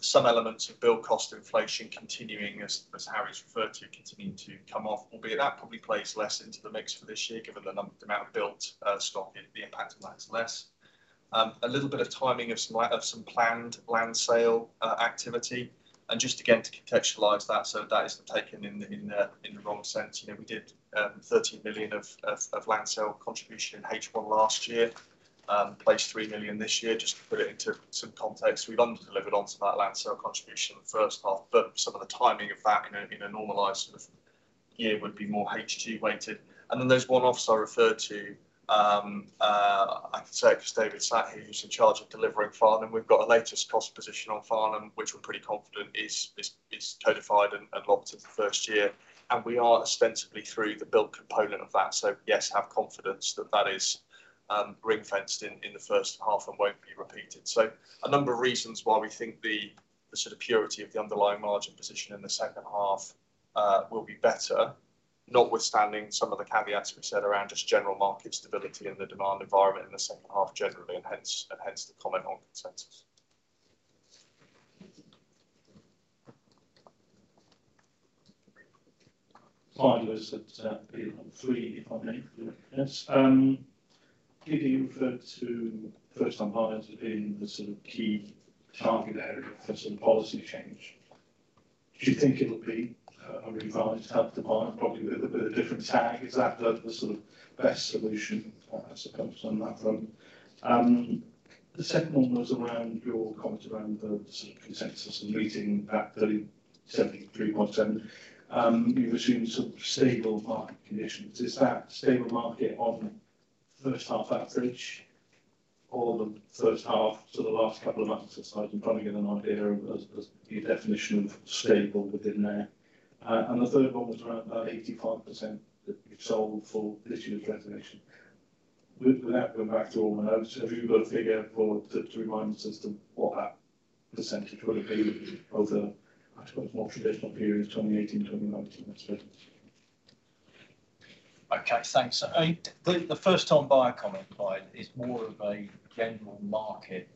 Some elements of build cost inflation continuing, as Harry's referred to, continuing to come off, albeit that probably plays less into the mix for this year. Given the amount of built stock, the impact of that is less. A little bit of timing of some planned land sale activity. Just again, to contextualize that, so that isn't taken in the wrong sense. You know, we did £ 13 million of land sale contribution in H1 last year, placed £ 3 million this year. Just to put it into some context, we've underdelivered onto that land sale contribution in the first half, but some of the timing of that in a normalized sort of year would be more H2 weighted. Then there's one offs I referred to, I can say it was David Slack, who's in charge of delivering Farnham. We've got a latest cost position on Farnham, which we're pretty confident is codified and locked into the first year, and we are ostensibly through the built component of that. Yes, have confidence that that is ring-fenced in the first half and won't be repeated. A number of reasons why we think the sort of purity of the underlying margin position in the second half will be better, notwithstanding some of the caveats we've said around just general market stability and the demand environment in the second half generally, and hence, and hence the common market consensus. Final is that, three, if I may? You referred to first-time buyers as being the sort of key target area for some policy change. Do you think it'll be a revised Help to Buy, probably with a different tag? Is that the sort of best solution, I suppose, on that front? The second one was around your comment around the sort of consensus and meeting that 30, 73.7. You've assumed sort of stable market conditions. Is that stable market of first half average or the first half to the last couple of months aside, and trying to get an idea of your definition of stable within there? The third one was around about 85% that you've sold for this year's reservation. Without going back to all my notes, have you got a figure for, to remind us as to what that percentage would have been of the, I suppose, more traditional periods, 2018, 2019, that sort of thing? Okay, thanks. The first time buyer comment, Clive, is more of a general market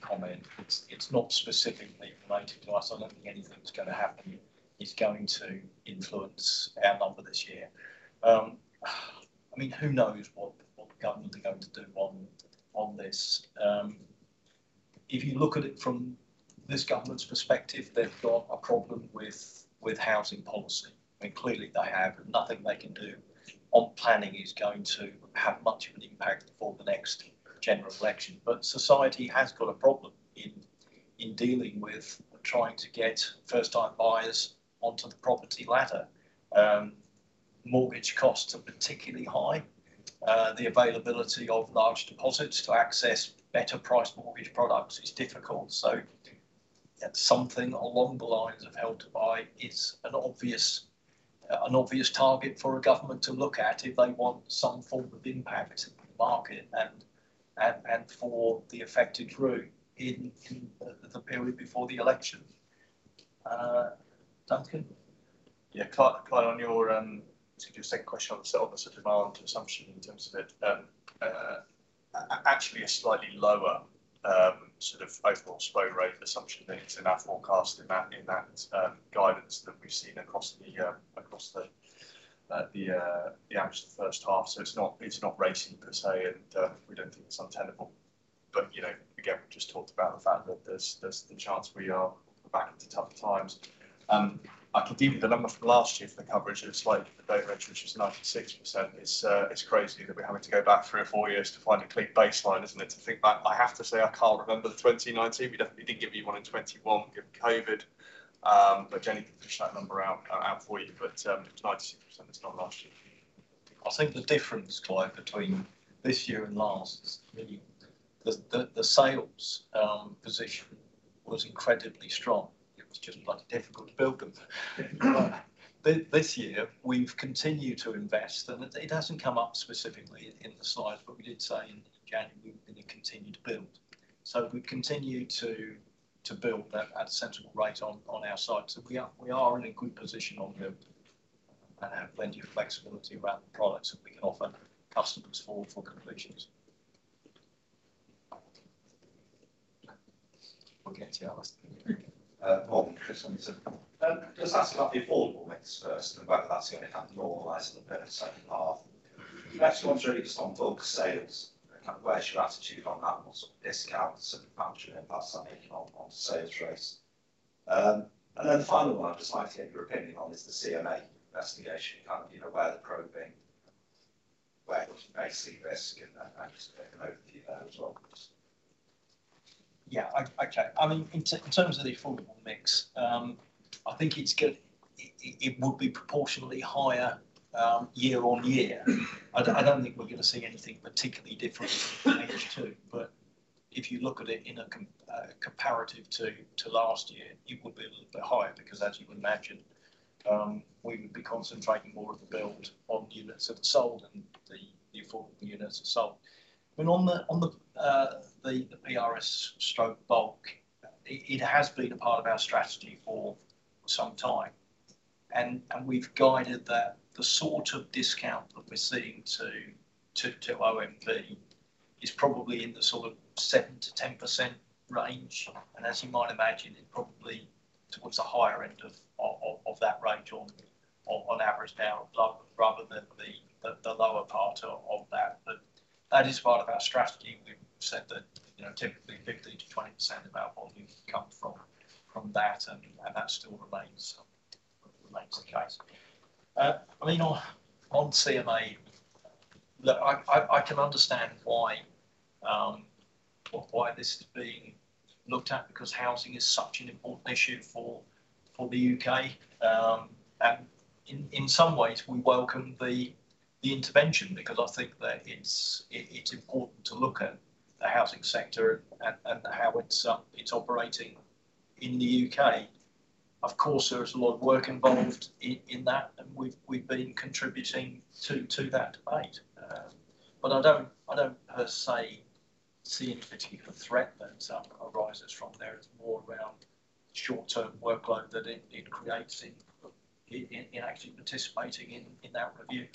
comment. It's not specifically related to us. I don't think anything that's gonna happen is going to influence our number this year. Who knows what the government are going to do on this? If you look at it from this government's perspective, they've got a problem with housing policy, and clearly they have. Nothing they can do on planning is going to have much of an impact before the next general election. Society has got a problem in dealing with trying to get first time buyers onto the property ladder. Mortgage costs are particularly high. The availability of large deposits to access better priced mortgage products is difficult. Something along the lines of Help to Buy is an obvious, an obvious target for a government to look at if they want some form of impact in the market and for the affected group in the period before the election. Duncan? Clive, on your sort of your second question on the surplus of demand assumption in terms of it actually a slightly lower sort of overall slow rate assumption than is in our forecast in that, in that guidance that we've seen across the actual first half. It's not, it's not racing per se, and we don't think it's untenable. You know, again, we've just talked about the fact that there's the chance we are back to tougher times. I could give you the number from last year for the coverage of slightly the rate, which is 96%. It's crazy that we're having to go back 3 or 4 years to find a clear baseline, isn't it? To think back, I have to say I can't remember the 2019. We definitely didn't give you one in 2021 because of COVID. Jenny can push that number out for you. If it's 96%, it's not last year. I think the difference, Clive, between this year and last is the sales position was incredibly strong. It was just bloody difficult to build them. This year, we've continued to invest, and it hasn't come up specifically in the slides, but we did say in January we were gonna continue to build. We've continued to build that at a sensible rate on our sites, and we are in a good position on build and have plenty of flexibility around the products that we can offer customers for completions. We'll get to you last. Paul, Chris. Just asking about the affordable mix first, and whether that's going to normalize in the second half. The next one's really just on bulk sales, where's your attitude on that, on sort of discounts and the financial impact on the sales rates. Then the final one I'd just like to get your opinion on is the CMA investigation. You know, where they're probing, where you may see risk in that, and just an overview of that as well, please. Yeah, I, okay. I mean, in terms of the affordable mix, I think it will be proportionally higher year-over-year. I don't think we're going to see anything particularly different in H2. If you look at it in a comparative to last year, it will be a little bit higher, because as you would imagine, we would be concentrating more of the build on units that have sold and the affordable units that sold. On the PRS stroke bulk, it has been a part of our strategy for some time, and we've guided that the sort of discount that we're seeing to OMV is probably in the sort of 7%-10% range. As you might imagine, it's probably towards the higher end of that range on average now, rather than the lower part of that. That is part of our strategy. We've said that, you know, typically 15% to 20% of our volume come from that, and that still remains the case. I mean, on CMA, look, I can understand why this is being looked at, because housing is such an important issue for the UK. In some ways, we welcome the intervention, because I think that it's important to look at the housing sector and how it's operating in the UK. Of course, there is a lot of work involved in that, and we've been contributing to that debate. I don't per se see any particular threat that arises from there. It's more around short-term workload that it creates in actually participating in that review.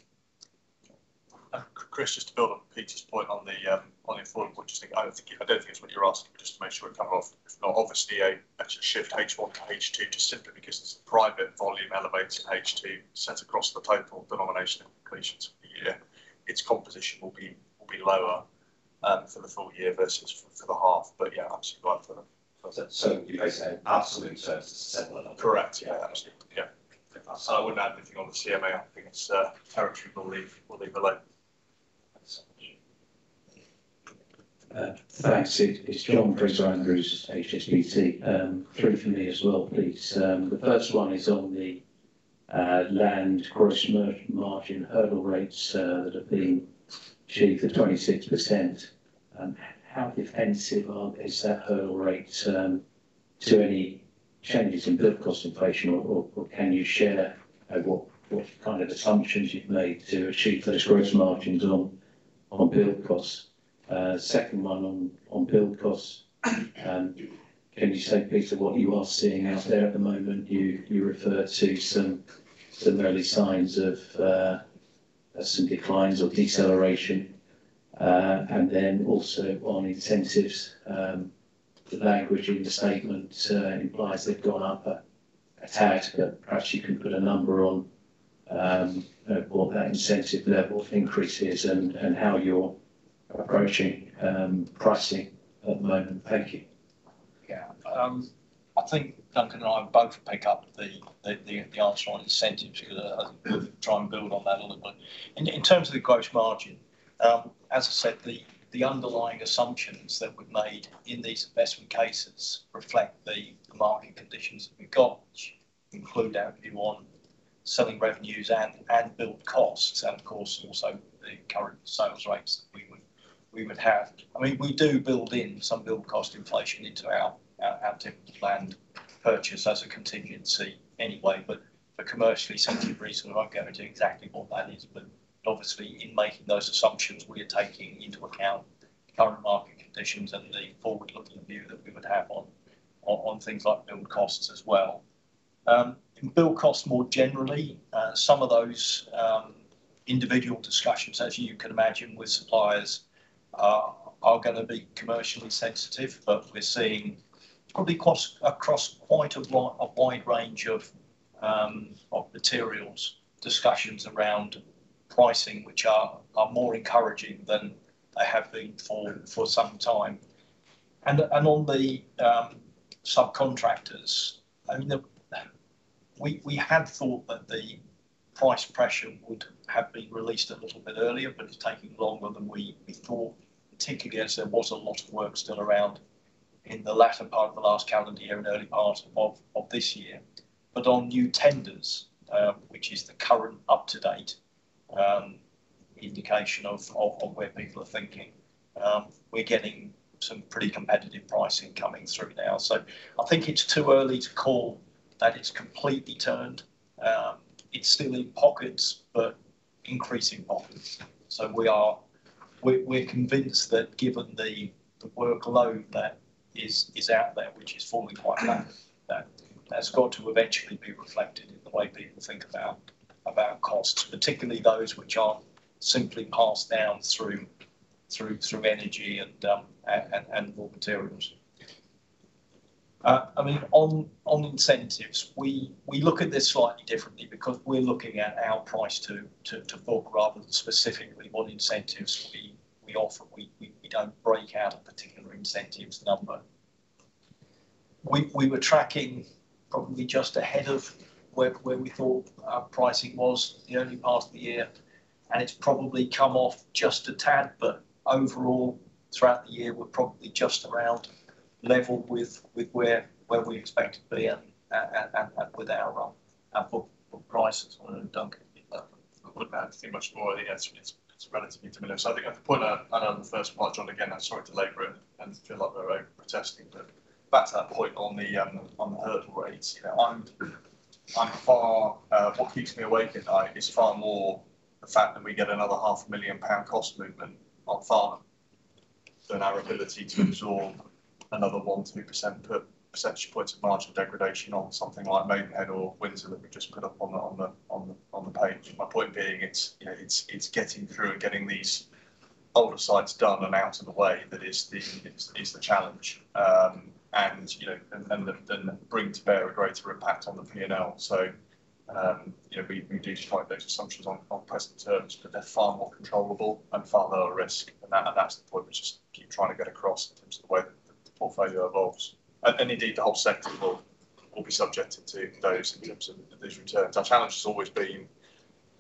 Chris, just to build on Peter's point, on the affordable point. Just think, I don't think it's what you're asking, but just to make sure we're covered off. Obviously, it's a shift H1 to H2, just simply because the private volume elevates H2 set across the total denomination of completions for the year. Its composition will be lower for the full year versus for the half. Yeah, absolutely, right. You're saying absolute terms, similar? Correct. Yeah, absolutely. Yeah. I wouldn't add anything on the CMA. I think it's territory we'll leave, we'll leave alone. Thanks. Thanks. It's John Fraser-Andrews, HSBC. Three from me as well, please. The first one is on the land gross margin hurdle rates that have been achieved at 26%. How defensive is that hurdle rate to any changes in build cost inflation or can you share what kind of assumptions you've made to achieve those gross margins on build costs? Second one on build costs, can you say, Peter, what you are seeing out there at the moment? You referred to some early signs of some declines or deceleration. Also on incentives, the language in the statement implies they've gone up a tad, but perhaps you can put a number on what that incentive level increase is and how you're approaching pricing at the moment. Thank you. I think Duncan and I both pick up the answer on incentives, because I would try and build on that a little bit. In terms of the gross margin, as I said, the underlying assumptions that we've made in these investment cases reflect the market conditions that we've got, which include our view on selling revenues and build costs, and of course, also the current sales rates that we would have. I mean, we do build in some build cost inflation into our typical land purchase as a contingency anyway, but for commercially sensitive reasons, I'm not going into exactly what that is. Obviously, in making those assumptions, we are taking into account the current market conditions and the forward-looking view that we would have on things like build costs as well. In build costs more generally, some of those individual discussions, as you can imagine, with suppliers, are gonna be commercially sensitive. We're seeing probably cost across quite a wide range of materials, discussions around pricing, which are more encouraging than they have been for some time. On the subcontractors, I mean, we had thought that the price pressure would have been released a little bit earlier, but it's taking longer than we thought, particularly as there was a lot of work still around in the latter part of the last calendar year and early part of this year. On new tenders, which is the current up-to-date indication of where people are thinking, we're getting some pretty competitive pricing coming through now. I think it's too early to call that it's completely turned. It's still in pockets, but increasing pockets. We're convinced that given the workload that is out there, which is falling quite fast, that that's got to eventually be reflected in the way people think about costs, particularly those which aren't simply passed down through energy and raw materials. I mean, on incentives, we look at this slightly differently because we're looking at our price to book, rather than specifically what incentives we offer. We don't break out a particular incentives number. We were tracking probably just ahead of where we thought our pricing was the early part of the year. It's probably come off just a tad. Overall, throughout the year, we're probably just around level with where we expected to be at with our book prices. I don't know if Duncan can give that one. Not anything much more. I think it's relatively de minimis. I think I'd point out, I know the first part, John, again, I'm sorry to labor it and feel like we're protesting, but back to that point on the hurdle rates, you know, I'm far. What keeps me awake at night is far more the fact that we get another half a million £ cost movement, not far, than our ability to absorb another 1, 2% per percentage points of margin degradation on something like Maidenhead or Windsor that we've just put up on the page. My point being, it's, you know, it's getting through and getting these older sites done and out of the way that is the challenge. You know, and that, and that bring to bear a greater impact on the P and L. You know, we do strike those assumptions on present terms, but they're far more controllable and far lower risk. That, and that's the point we just keep trying to get across in terms of the way the portfolio evolves. Indeed, the whole sector will be subjected to those in terms of these returns. Our challenge has always been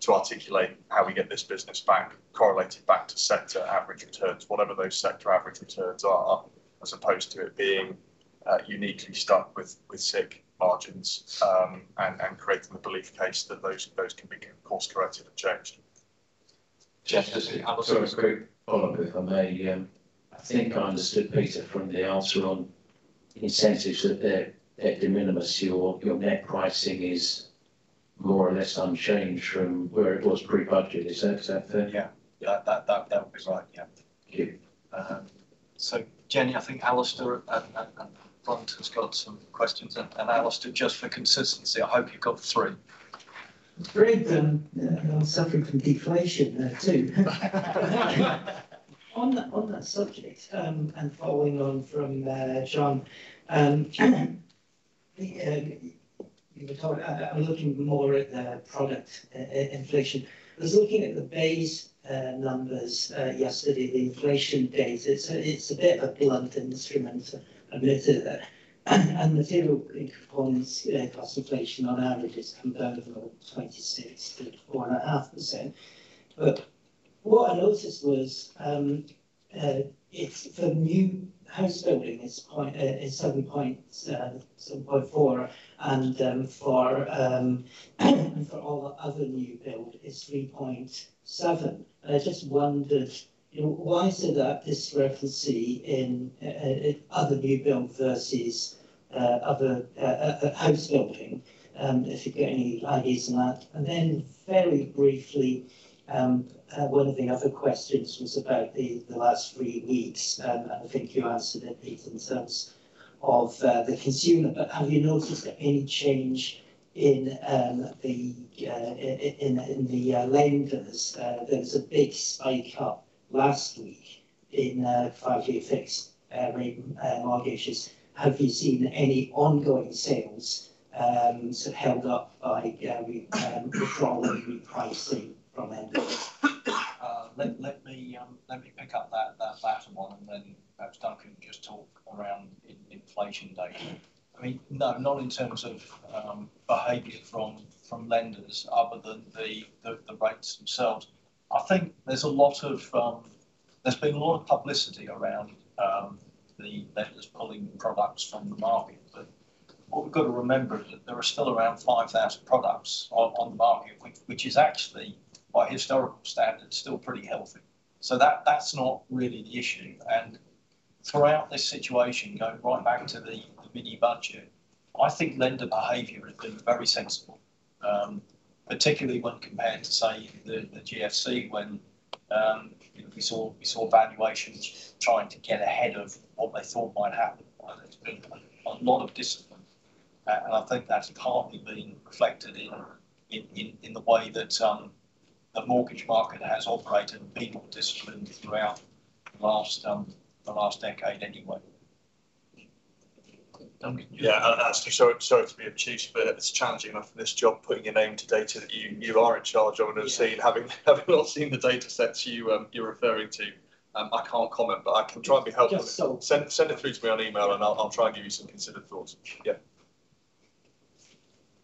to articulate how we get this business back, correlated back to sector average returns, whatever those sector average returns are, as opposed to it being, uniquely stuck with sick margins, and creating the belief case that those can be course-corrected and changed. Just. Sorry, a quick follow-up, if I may. I think I understood, Peter, from the answer on incentives, that they're de minimis. Your net pricing is more or less unchanged from where it was pre-budget. Is that fair? Yeah. Yeah, that was right. Yeah. Thank you. Jenny, I think Alistair and Glynn's got some questions. Alistair, just for consistency, I hope you've got three. Great, I'm suffering from deflation there, too. On that subject, following on from John, you were talking... I'm looking more at the product inflation. I was looking at the base numbers yesterday, the inflation data. It's a bit of a blunt instrument, I admit it. Material performance, cost inflation on average is comparable, 26%-4.5%. What I noticed was, it's for new house building is 7.4%, and for all the other new build is 3.7%. I just wondered, you know, why is it that discrepancy in other new build versus other house building? If you've got any ideas on that. Very briefly, one of the other questions was about the last three weeks, and I think you answered it in terms of the consumer. Have you noticed any change in the lenders? There was a big spike up last week in five-year fixed rate mortgage issues. Have you seen any ongoing sales sort of held up by withdrawing repricing from lenders? Let me pick up that latter one, perhaps Duncan can just talk around inflation data. I mean, no, not in terms of behavior from lenders other than the rates themselves. I think there's a lot of there's been a lot of publicity around the lenders pulling products from the market. What we've got to remember is that there are still around 5,000 products on the market, which is actually, by historical standards, still pretty healthy. That's not really the issue. Throughout this situation, going right back to the mini budget, I think lender behavior has been very sensible, particularly when compared to, say, the GFC, when, you know, we saw valuations trying to get ahead of what they thought might happen. There's been a lot of discipline, I think that's partly been reflected in the way that the mortgage market has operated and people disciplined throughout the last decade anyway. Duncan. Actually, sorry to be obtuse, but it's challenging enough in this job, putting your name to data that you are in charge of and have seen. Having not seen the data sets you're referring to, I can't comment, but I can try and be helpful. Just. Send it through to me on email, and I'll try and give you some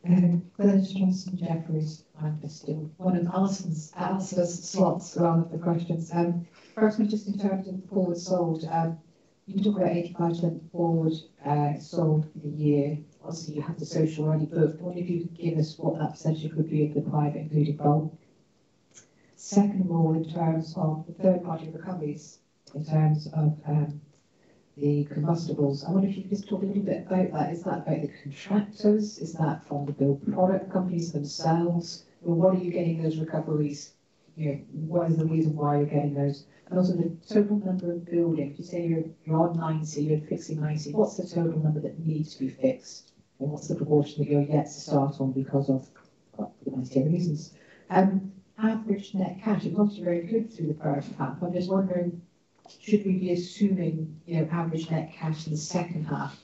considered thoughts. Yeah. Glynis Johnson, Jefferies. I'm still one of the askers slots rather than the questions. First, just in terms of forward sold, you talk about 85% forward sold for the year. Obviously, you have the social already, I was wondering if you could give us what that percentage would be of the 5 including bulk. Second of all, in terms of the third-party recoveries, in terms of the combustibles, I wonder if you could just talk a little bit about that. Is that about the contractors? Is that from the build product companies themselves, what are you getting those recoveries? You know, what is the reason why you're getting those? Also, the total number of building, if you say you're on 90, you're fixing 90, what's the total number that needs to be fixed, and what's the proportion that you're yet to start on because of the various reasons? Average net cash, it goes very good through the first half. I'm just wondering, should we be assuming, you know, average net cash in the second half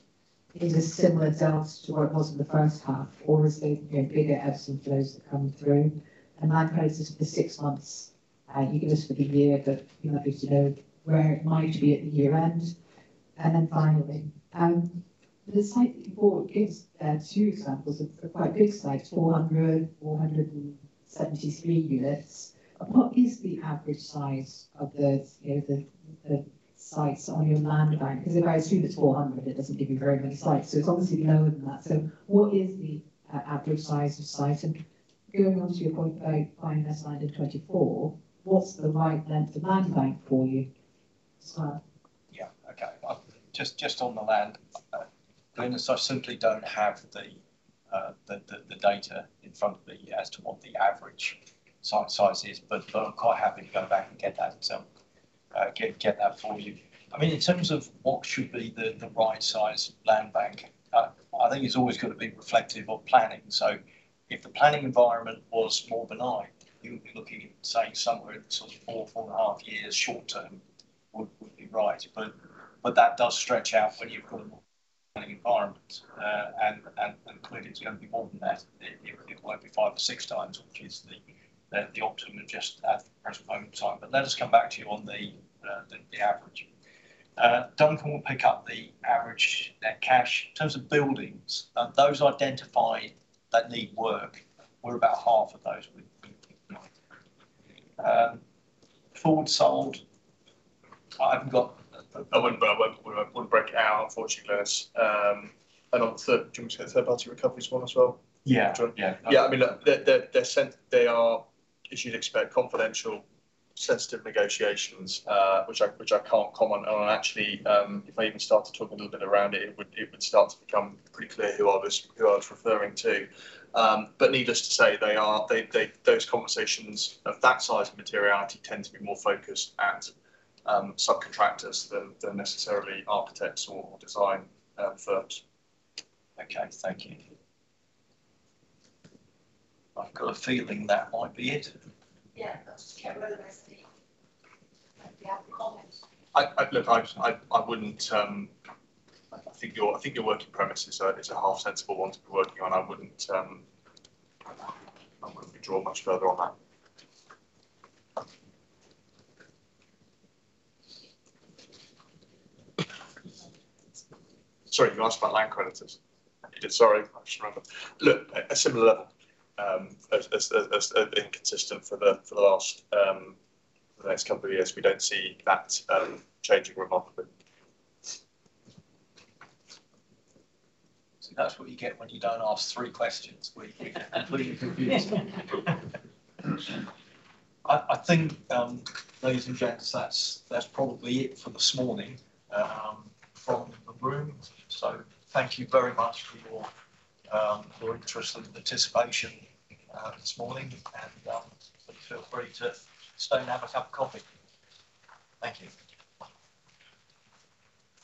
is a similar delta to what it was in the first half, or is there, you know, bigger ebbs and flows that come through? I suppose for the 6 months, you can just for the year, but we might need to know where it might be at the year end. Finally, the site that you bought gives two examples of quite big sites, 473 units. What is the average size of the, you know, the sites on your land bank? If I assume it's 400, it doesn't give you very many sites, so it's obviously lower than that. What is the average size of site? Going on to your point about buying less land in 2024, what's the right length of land bank for you, Simon? Yeah, okay. Just on the land, Glynis, I simply don't have the data in front of me as to what the average size is, but I'm quite happy to go back and get that. Get that for you. I mean, in terms of what should be the right size land bank, I think it's always got to be reflective of planning. If the planning environment was more benign, you would be looking at, say, somewhere in the sort of 4.5 years short term would be right. But that does stretch out when you've got an environment, and clearly, it's going to be more than that. It won't be five or six times, which is the optimum at just at the present moment in time. Let us come back to you on the average. Duncan will pick up the average, net cash. In terms of buildings, those identified that need work were about half of those would forward sold. I wouldn't, but I wouldn't break it out, unfortunately, Glynis. On third, do you want me to the third-party recoveries one as well? Yeah. Do you want... Yeah. Yeah, I mean, look, they are, as you'd expect, confidential, sensitive negotiations, which I can't comment on. Actually, if I even start to talk a little bit around it would start to become pretty clear who I was referring to. Needless to say, they are, they... Those conversations of that size of materiality tend to be more focused at subcontractors than necessarily architects or design firms. Okay. Thank you. I've got a feeling that might be it. Yeah, that's just came out of SD. Do you have any comments? I look, I wouldn't, I think your working premise is a half sensible one to be working on. I wouldn't draw much further on that. Sorry, you asked about land creditors? Sorry, I just remember. A similar, as inconsistent for the last, the next couple of years, we don't see that changing remarkably. See, that's what you get when you don't ask three questions. We get completely confused. I think, ladies and gents, that's probably it for this morning from the room. Thank you very much for your interest and participation this morning. Please feel free to stay and have a cup of coffee. Thank you.